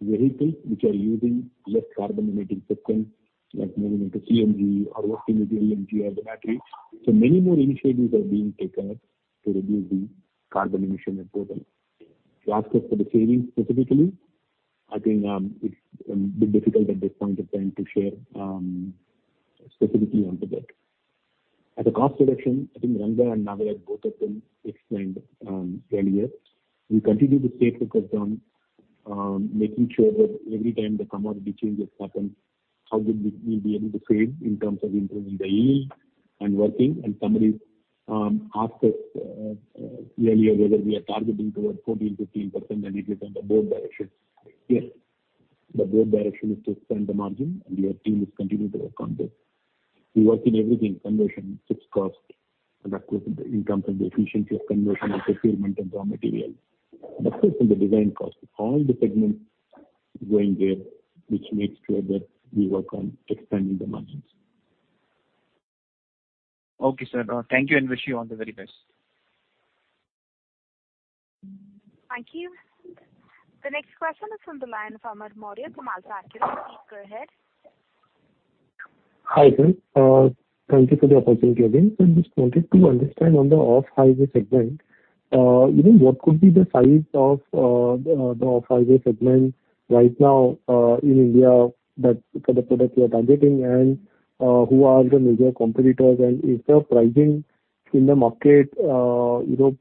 vehicles which are using less carbon-emitting systems. Like moving into CNG or working with the LNG or the battery. So many more initiatives are being taken up to reduce the carbon emission at portal. You asked us for the savings specifically, I think, it's a bit difficult at this point in time to share, specifically on to that. At the cost reduction, I think Ranga and Nagaraja, both of them explained earlier. We continue to stay focused on making sure that every time the commodity changes happen, how would we, we be able to save in terms of improving the yield and working, and somebody asked us earlier whether we are targeting towards 14, 15% and it is on the board direction. Yes, the board direction is to expand the margin, and your team is continuing to work on this. We work in everything, conversion, shipping cost, and of course, in terms of the efficiency of conversion and procurement of raw material, but also in the design cost. All the segments going there, which makes sure that we work on expanding the margins. Okay, sir. Thank you, and wish you all the very best. Thank you. The next question is from the line of Amar Maurya from AlfAccurate. Please, go ahead. Hi, sir. Thank you for the opportunity again. I just wanted to understand on the off-highway segment, even what could be the size of the off-highway segment right now in India, that for the product you are targeting, and who are the major competitors, and is the pricing in the market, you know,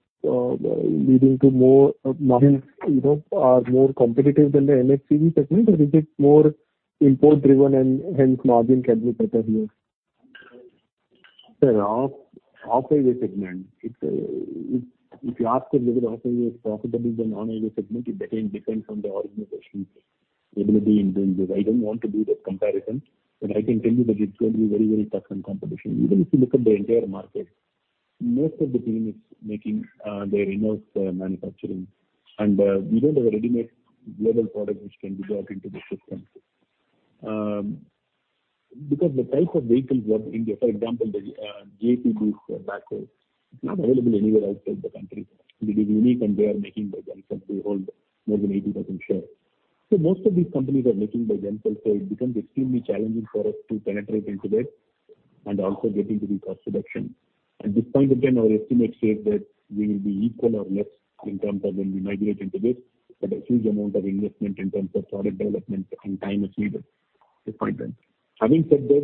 leading to more margins, you know, are more competitive than the MHCV segment, or is it more import-driven and hence margin can be better here? Sir, off-highway segment, it's if you ask us whether off-highway is profitable than on-highway segment, it again depends on the organization's ability in doing this. I don't want to do that comparison, but I can tell you that it's going to be very, very tough on competition. Even if you look at the entire market, most of the team is making their in-house manufacturing, and we don't have a ready-made global product which can be brought into the system. Because the type of vehicles we have in India, for example, the JCB backhoes, it's not available anywhere outside the country. It is unique, and they are making by themselves. They hold more than 80% share. So most of these companies are making by themselves, so it becomes extremely challenging for us to penetrate into that and also getting to the cost reduction. At this point, again, our estimates say that we will be equal or less in terms of when we migrate into this, but a huge amount of investment in terms of product development and time is needed at this point in time. Having said this,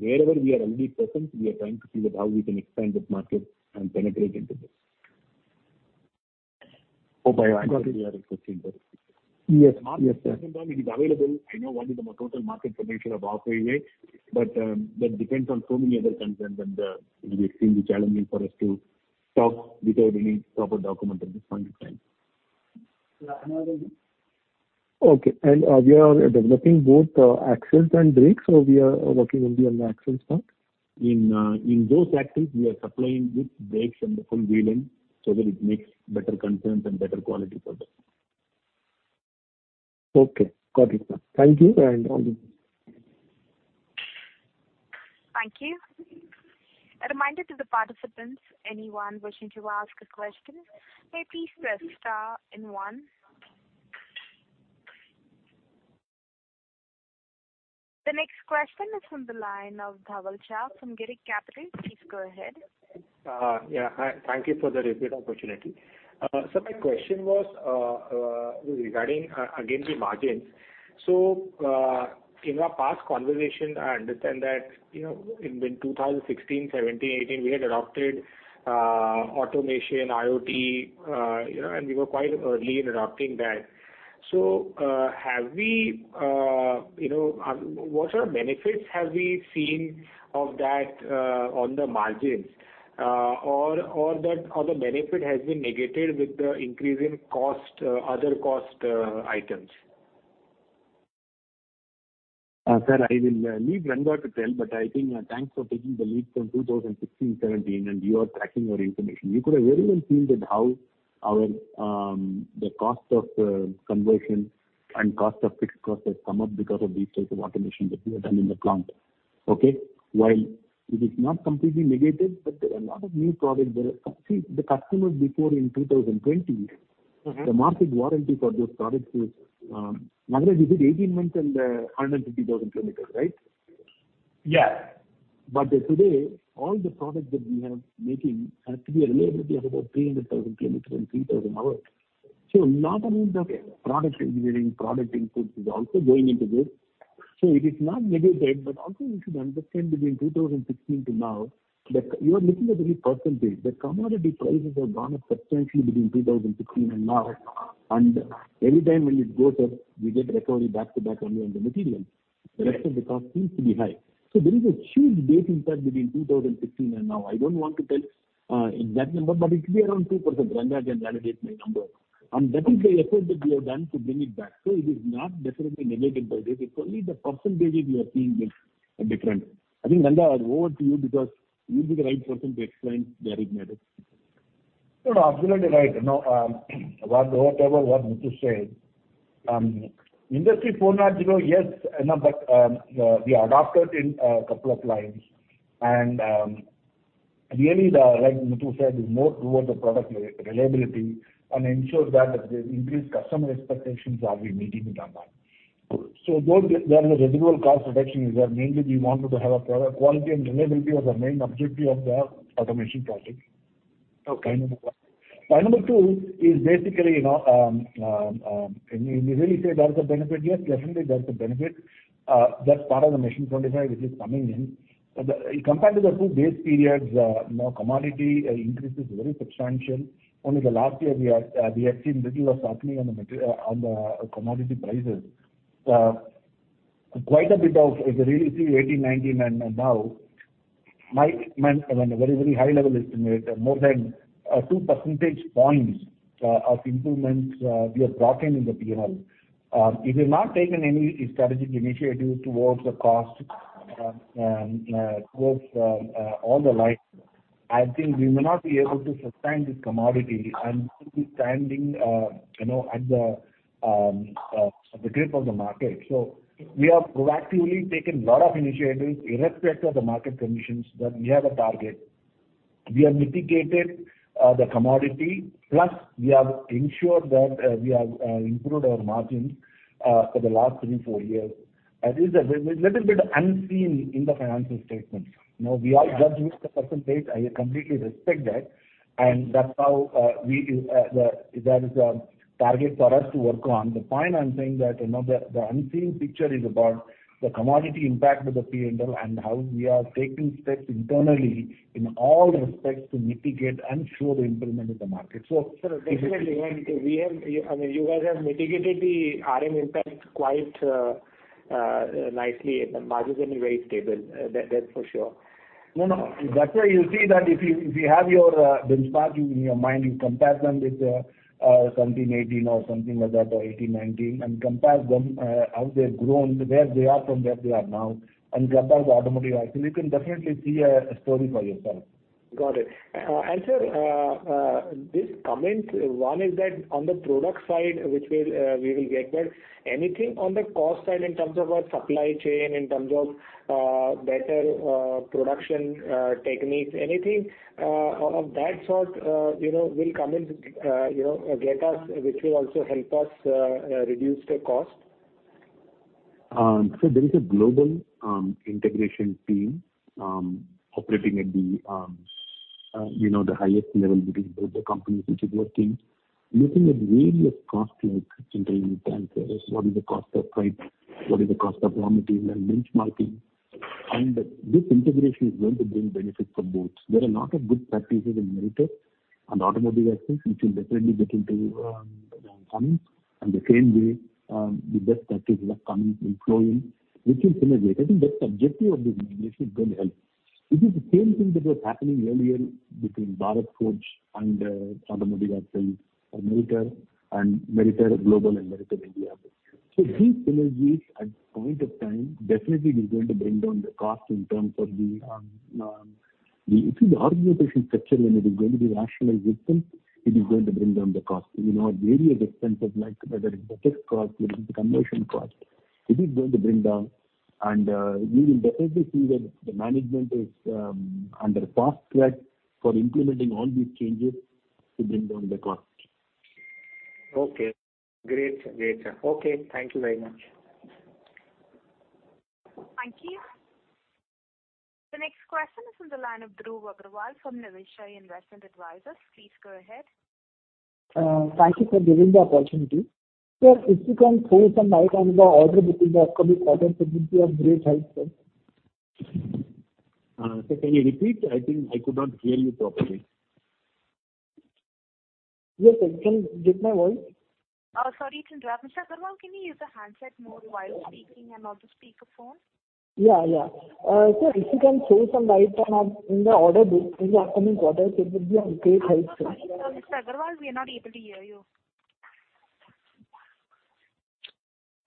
wherever we are already present, we are trying to see that how we can expand this market and penetrate into this. Oh, by your answer, we are requesting that. Yes, yes, sir. It is available. I know only the total market information of off-highway, but that depends on so many other concerns, and it'll be extremely challenging for us to talk without any proper document at this point in time. Another one. Okay, and we are developing both axles and brakes, so we are working only on the axles part? In, in those axles, we are supplying with brakes and the full wheeling so that it makes better concerns and better quality for them. Okay, got it, sir. Thank you, and all good. Thank you. A reminder to the participants, anyone wishing to ask a question, may please press star and one. The next question is from the line of Dhaval Shah from Girik Capital. Please go ahead. Yeah, hi. Thank you for the repeat opportunity. So my question was, regarding, again, the margins. So, in our past conversation, I understand that, you know, in 2016, 2017, 2018, we had adopted automation, IoT, you know, and we were quite early in adopting that. So, have we, you know, what are benefits have we seen of that on the margins? Or, or that, or the benefit has been negated with the increase in cost, other cost items? Sir, I will leave Ranga to tell, but I think, thanks for taking the lead from 2016, 2017, and you are tracking our information. You could have very well seen that how our, the cost of conversion and cost of fixed costs have come up because of these types of automation that we have done in the plant. Okay? While it is not completely negated, but there are a lot of new products there. See, the customers before in 2020- Mm-hmm. The market warranty for those products is, Nagaraja, is it 18 months and 150,000 km, right? Yeah. But today, all the products that we are making has to be a reliability of about 300,000 kilometers and 3,000 hours. So a lot amount of product engineering, product input is also going into this. So it is not negated, but also you should understand between 2016 to now, that you are looking at the percentage. The commodity prices have gone up substantially between 2016 and now, and every time when it goes up, we get recovery back to back only on the material. Yes. The rest of the cost seems to be high. So there is a huge base impact between 2016 and now. I don't want to tell in that number, but it will be around 2%. Ranga can validate my number. And that is the effort that we have done to bring it back. So it is not necessarily negated by this, it's only the percentages you are seeing is, are different. I think, Ranga, I'll hand over to you because you'll be the right person to explain the arithmetic. No, absolutely right. You know, whatever Muthu said, Industry 4.0, yes, but we adopted in couple of lines and-... Really, the, like Muthu said, is more toward the product reliability and ensure that the increased customer expectations are we meeting it or not? So those, there is a residual cost reduction is that mainly we wanted to have a product quality and reliability was the main objective of the automation project. Okay. Point number 2 is basically, you know, and we really say there's a benefit. Yes, definitely, there's a benefit. That's part of the Mission 25, which is coming in. But the, compared to the 2 base periods, you know, commodity increase is very substantial. Only the last year we have seen little of softening on the commodity prices. Quite a bit of, if you really see 18, 19, and now, my, when a very, very high level estimate, more than 2 percentage points of improvements we have brought in, in the P&L. We have not taken any strategic initiative towards the cost, towards all the lines. I think we may not be able to sustain this commodity and still be standing, you know, at the grip of the market. So we have proactively taken a lot of initiatives irrespective of the market conditions, that we have a target. We have mitigated the commodity, plus we have ensured that we have improved our margins for the last 3, 4 years. This is a little bit unseen in the financial statement. You know, we are just with the percentage, I completely respect that, and that's how that is a target for us to work on. The point I'm saying that, you know, the unseen picture is about the commodity impact of the P&L and how we are taking steps internally in all respects to mitigate and show the improvement in the market. So- Sir, definitely, and we have, I mean, you guys have mitigated the RM impact quite nicely. The margin is very stable, that, that's for sure. No, no, that's why you see that if you, if you have your benchmark in your mind, you compare them with 17, 18, or something like that, or 18, 19, and compare them, how they've grown, where they are from, where they are now, and compare the automotive. You can definitely see a story by yourself. Got it. And, sir, this comment, one is that on the product side, which will, we will get, but anything on the cost side in terms of our supply chain, in terms of, better production techniques, anything of that sort, you know, will come in, you know, get us, which will also help us reduce the cost? So there is a global integration team operating at the, you know, the highest level between both the companies, which is working, looking at various costs, like in terms of what is the cost of pipe, what is the cost of raw material and benchmarking. And this integration is going to bring benefits for both. There are a lot of good practices in Meritor and Automotive Axles, which will definitely get into Cummins. And the same way, the best practices from Cummins will flow in, which is innovative. I think the objective of this integration is going to help. It is the same thing that was happening earlier between Bharat Forge and Automotive Axles, or Meritor, and Meritor Global and Meritor India. So these synergies at point of time, definitely is going to bring down the cost in terms of the. If the organization structure, when it is going to be rationalized with them, it is going to bring down the cost. You know, various expenses, like whether it's the test cost, whether it's the conversion cost, it is going to bring down, and you will definitely see that the management is under fast track for implementing all these changes to bring down the cost. Okay, great, sir. Great, sir. Okay, thank you very much. Thank you. The next question is on the line of Dhruv Agarwal from Niveshaay Investment Advisors. Please go ahead. Thank you for giving the opportunity. Sir, if you can throw some light on the order between the upcoming quarter, it would be of great help, sir. Sir, can you repeat? I think I could not hear you properly. Yes, sir, can you get my voice? Sorry to interrupt. Mr. Agarwal, can you use the handset mode while speaking and not the speaker phone? Yeah, yeah. Sir, if you can throw some light on the order book in the upcoming quarter, it would be of great help, sir. Sorry, sir, Mr. Agarwal, we are not able to hear you.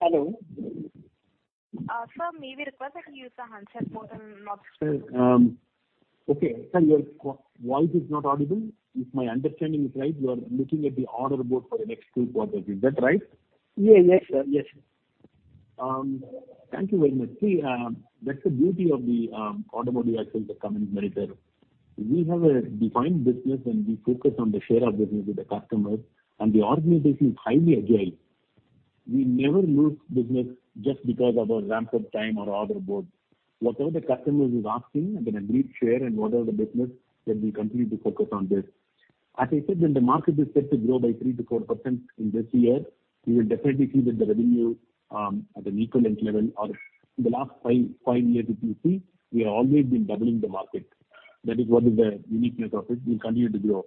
Hello? Sir, may we request that you use the handset mode and not- Sir, okay, sir, your voice is not audible. If my understanding is right, you are looking at the order book for the next two quarters. Is that right? Yeah. Yes, sir. Yes. Thank you very much. See, that's the beauty of the Automotive Axle that Cummins Meritor. We have a defined business, and we focus on the share of business with the customers, and the organization is highly agile. We never lose business just because of our ramp-up time or order book. Whatever the customer is asking, I'm gonna need share and whatever the business, then we continue to focus on this. As I said, when the market is set to grow by 3%-4% in this year, we will definitely see that the revenue at an equivalent level or in the last five years, if you see, we have always been doubling the market. That is what is the uniqueness of it. We'll continue to grow.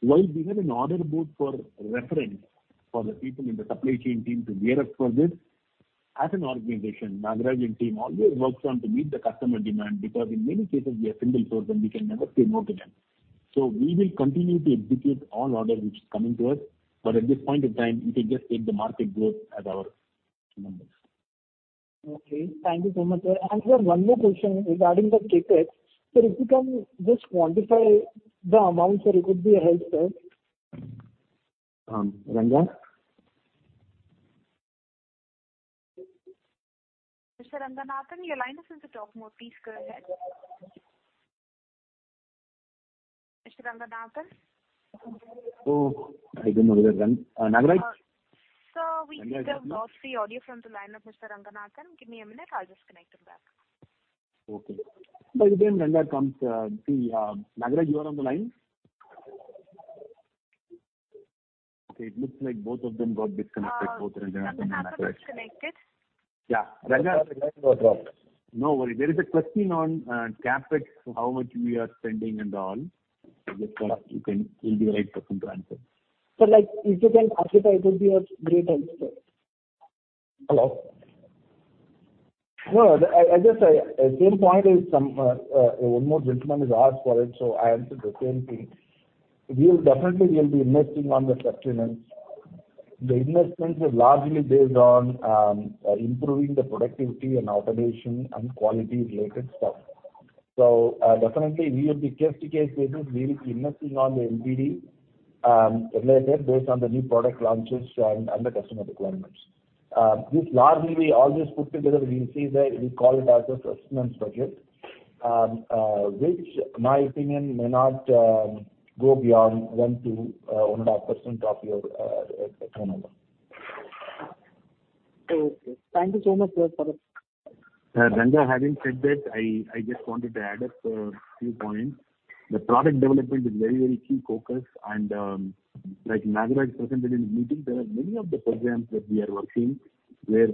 While we have an order book for reference for the people in the supply chain team to gear up for this, as an organization, the driving team always works on to meet the customer demand, because in many cases, we are single source, and we can never say no to them. So we will continue to execute all orders which is coming to us, but at this point in time, we can just take the market growth as our numbers. Okay, thank you so much, sir. And sir, one more question regarding the CapEx. Sir, if you can just quantify the amount, sir, it would be a help, sir. Um, Ranjan?... Mr. Ranganathan, your line is in the talk mode. Please go ahead. Mr. Ranganathan? Oh, I don't know where Ranga, Nagaraja? Sir, we have lost the audio from the line of Mr. Ranganathan. Give me a minute, I'll just connect him back. Okay. By the time Ranga comes, see, Nagraj, you are on the line? Okay, it looks like both of them got disconnected, both Ranganathan and Nagraj. Ranganathan is connected. Yeah, Ranga- The line got dropped. No worry. There is a question on CapEx, how much we are spending and all. So that's what you can... You'll be the right person to answer. Sir, like, if you can repeat, it would be a great help, sir. Hello. No, I just same point is some one more gentleman has asked for it, so I answer the same thing. We will definitely we will be investing on the sustenance. The investments are largely based on improving the productivity and automation and quality-related stuff. So, definitely, we will be case-to-case basis, we will be investing on the NPD related based on the new product launches and the customer requirements. This largely we all just put together, we see that we call it as a sustenance budget, which my opinion may not go beyond 1-1.5% of your turnover. Okay. Thank you so much, sir, for this. Sir, Ranga, having said that, I just wanted to add up a few points. The product development is very, very key focus, and, like Nagaraja presented in the meeting, there are many of the programs that we are working, where,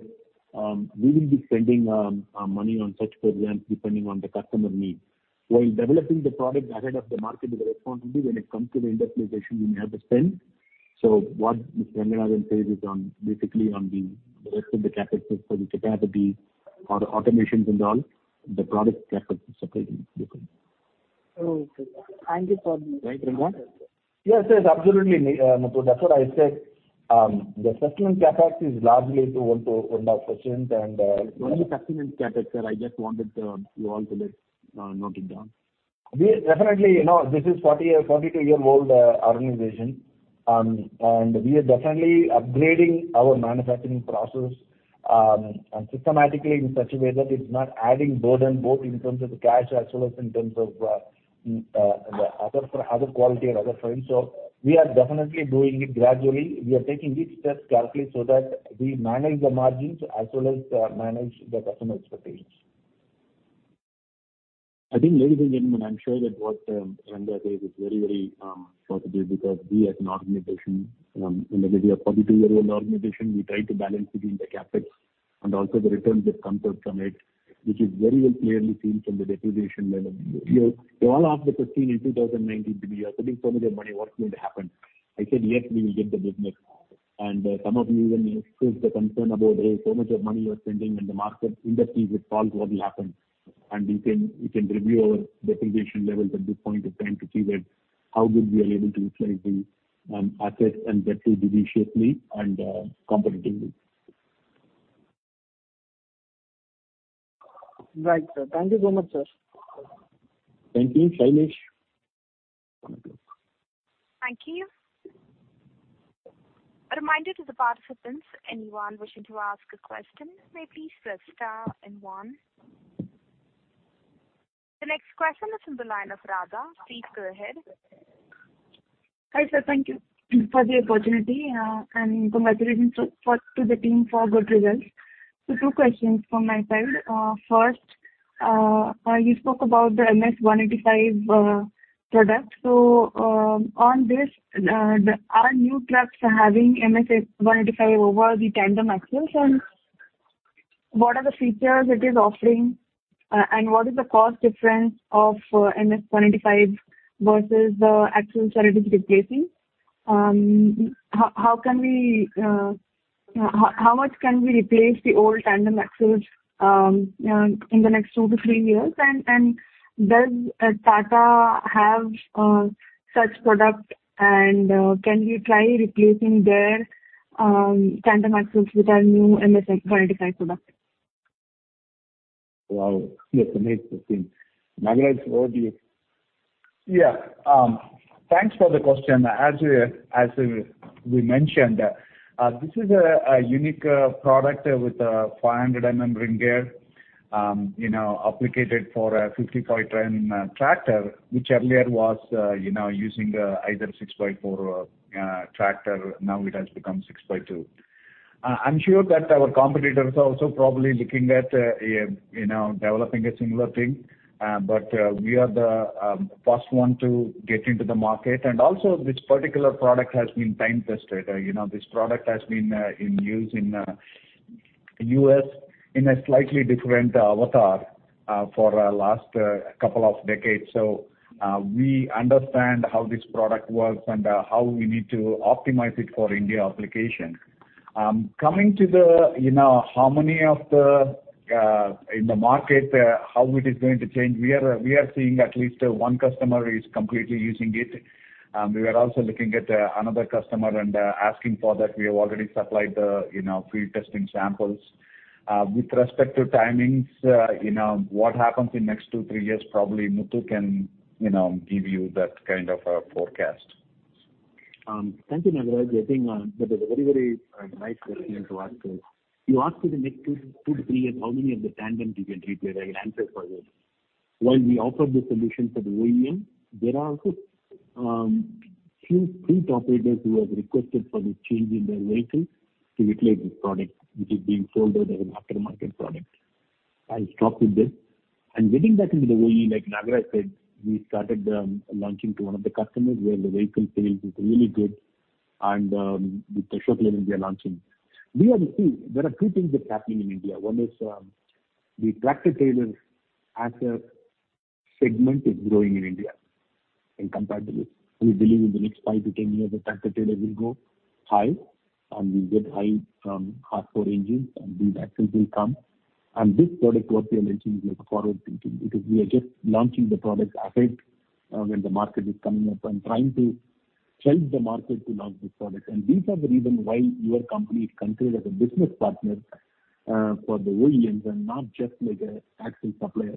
we will be spending money on such programs depending on the customer needs. While developing the product ahead of the market is a responsibility, when it comes to the industrialization, we have to spend. So what Mr. Ranganathan said is on, basically on the rest of the CapEx for the capacity, for the automations and all, the product CapEx is separate. Okay. Thank you for the- Right, Ranga? Yes, yes, absolutely, so that's what I said. The sustaining CapEx is largely to 1 to 1.5%, and only sustenance CapEx, sir. I just wanted, you all to, like, note it down. We definitely, you know, this is a 42-year-old organization, and we are definitely upgrading our manufacturing process and systematically in such a way that it's not adding burden, both in terms of the cash as well as in terms of the other quality and other fronts. So we are definitely doing it gradually. We are taking each step carefully so that we manage the margins as well as manage the customer expectations. I think, ladies and gentlemen, I'm sure that what Ranga said is very, very possible, because we as an organization, and as we are 42-year-old organization, we try to balance between the CapEx and also the returns that comes out from it, which is very well clearly seen from the depreciation level. You, you all asked the question in 2019 to me, "You are putting so much of money, what's going to happen?" I said, "Yes, we will get the business." And some of you even expressed the concern about, "Hey, so much of money you are spending, and the market industry would fall, what will happen?" And you can, you can review our depreciation levels at this point in time to see that how good we are able to utilize the assets and get through judiciously and competitively. Right, sir. Thank you so much, sir. Thank you, Sailesh. Thank you. A reminder to the participants, anyone wishing to ask a question, may please press star and one. The next question is on the line of Radha. Please go ahead. Hi, sir. Thank you for the opportunity, and congratulations to the team for good results. So two questions from my side. First, you spoke about the MS-185 product. So, on this, are new trucks having MS-185 over the tandem axles? And what are the features it is offering, and what is the cost difference of MS-185 versus the actual trailer it is replacing? How much can we replace the old tandem axles in the next two to three years? And does Tata have such a product, and can we try replacing their tandem axles with our new MS-185 product? Wow! That's a great question. Nagaraja, over to you. Yeah, thanks for the question. As we mentioned, this is a unique product with a 400 mm ring gear, you know, applicable for a 55-ton tractor, which earlier was, you know, using either 6x4 tractor, now it has become 6x2. I'm sure that our competitors are also probably looking at, you know, developing a similar thing, but we are the first one to get into the market. And also, this particular product has been time-tested. You know, this product has been in use in the U.S. in a slightly different avatar for the last couple of decades. So, we understand how this product works and how we need to optimize it for Indian application. Coming to the, you know, how many of the in the market, how it is going to change, we are, we are seeing at least one customer is completely using it. We are also looking at another customer and asking for that. We have already supplied the, you know, free testing samples. With respect to timings, you know, what happens in next 2-3 years, probably Muthu can, you know, give you that kind of a forecast. Thank you, Nagaraja. I think that is a very, very nice question to ask. You asked in the next two, two, three years, how many of the tandem we can replace? I can answer for this. While we offer the solution for the OEM, there are also few, few operators who have requested for the change in their vehicle to utilize this product, which is being sold as an aftermarket product. I'll stop with this. Getting back into the OE, like Nagaraja said, we started launching to one of the customers, where the vehicle sales is really good, and with the Ashok Leyland, we are launching. We are the two-- There are two things that's happening in India. One is the tractor-trailer as a segment is growing in India in comparison. We believe in the next 5-10 years, the tractor-trailer will go high, and we get high from hardcore engines, and these axles will come. This product, what we are launching, is like forward-thinking, because we are just launching the product ahead, when the market is coming up and trying to change the market to launch this product. These are the reason why your company is considered as a business partner, for the OEMs and not just like a axle supplier.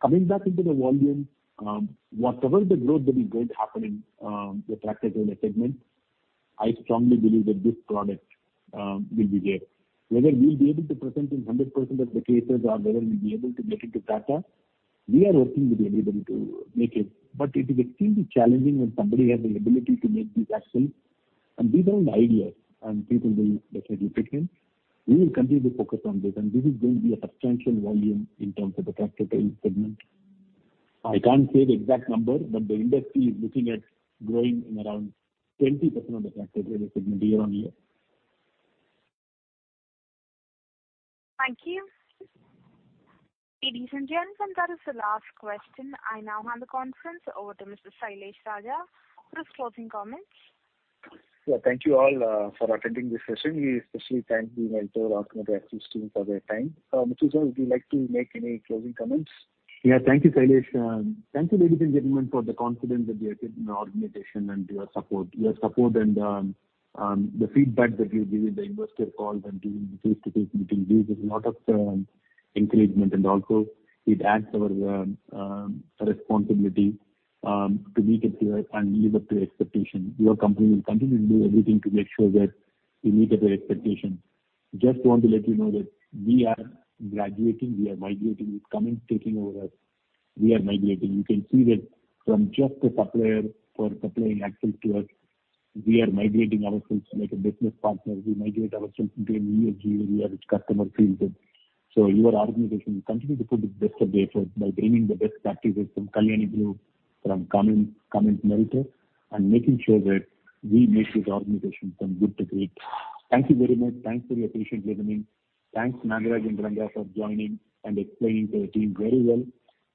Coming back into the volume, whatever the growth that is going to happen in, the tractor-trailer segment, I strongly believe that this product, will be there. Whether we'll be able to present in 100% of the cases or whether we'll be able to get into Tata, we are working, we'll be able to make it. But it is extremely challenging when somebody has the ability to make these axles, and these are the ideas, and people will decide to take them. We will continue to focus on this, and this is going to be a substantial volume in terms of the tractor-trailer segment. I can't say the exact number, but the industry is looking at growing in around 20% of the tractor-trailer segment year-on-year. Thank you. Ladies and gentlemen, that is the last question. I now hand the conference over to Mr. Sailesh Raja for his closing comments. Yeah, thank you all, for attending this session. We especially thank the Meritor Automotive Axles team for their time. Muthu, would you like to make any closing comments? Yeah. Thank you, Sailesh. Thank you, ladies and gentlemen, for the confidence that you have in our organization and your support. Your support and the feedback that you give in the investor calls and doing face-to-face meeting, gives us a lot of encouragement, and also it adds our responsibility to meet it here and live up to expectation. Your company will continue to do everything to make sure that we meet up your expectation. Just want to let you know that we are graduating, we are migrating, it's coming, taking over us. We are migrating. You can see that from just a supplier for supplying axle to us, we are migrating ourselves like a business partner. We migrate ourselves into an [EEG], where each customer feels it. So your organization continue to put its best of effort by bringing the best practices from Kalyani Group, from Cummins, Cummins Meritor, and making sure that we make this organization from good to great. Thank you very much. Thanks for your patient listening. Thanks, Nagaraja and Ranga, for joining and explaining to the team very well.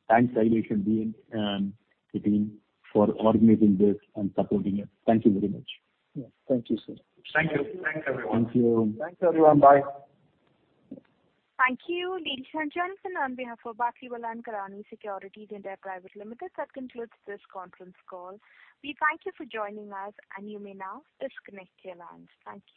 Thanks, Sailesh and team, and the team for organizing this and supporting it. Thank you very much. Yeah. Thank you, sir. Thank you. Thanks, everyone. Thank you. Thanks, everyone. Bye. Thank you, ladies and gentlemen, and on behalf of Batlivala & Karani Securities India Private Limited, that concludes this conference call. We thank you for joining us, and you may now disconnect your lines. Thank you.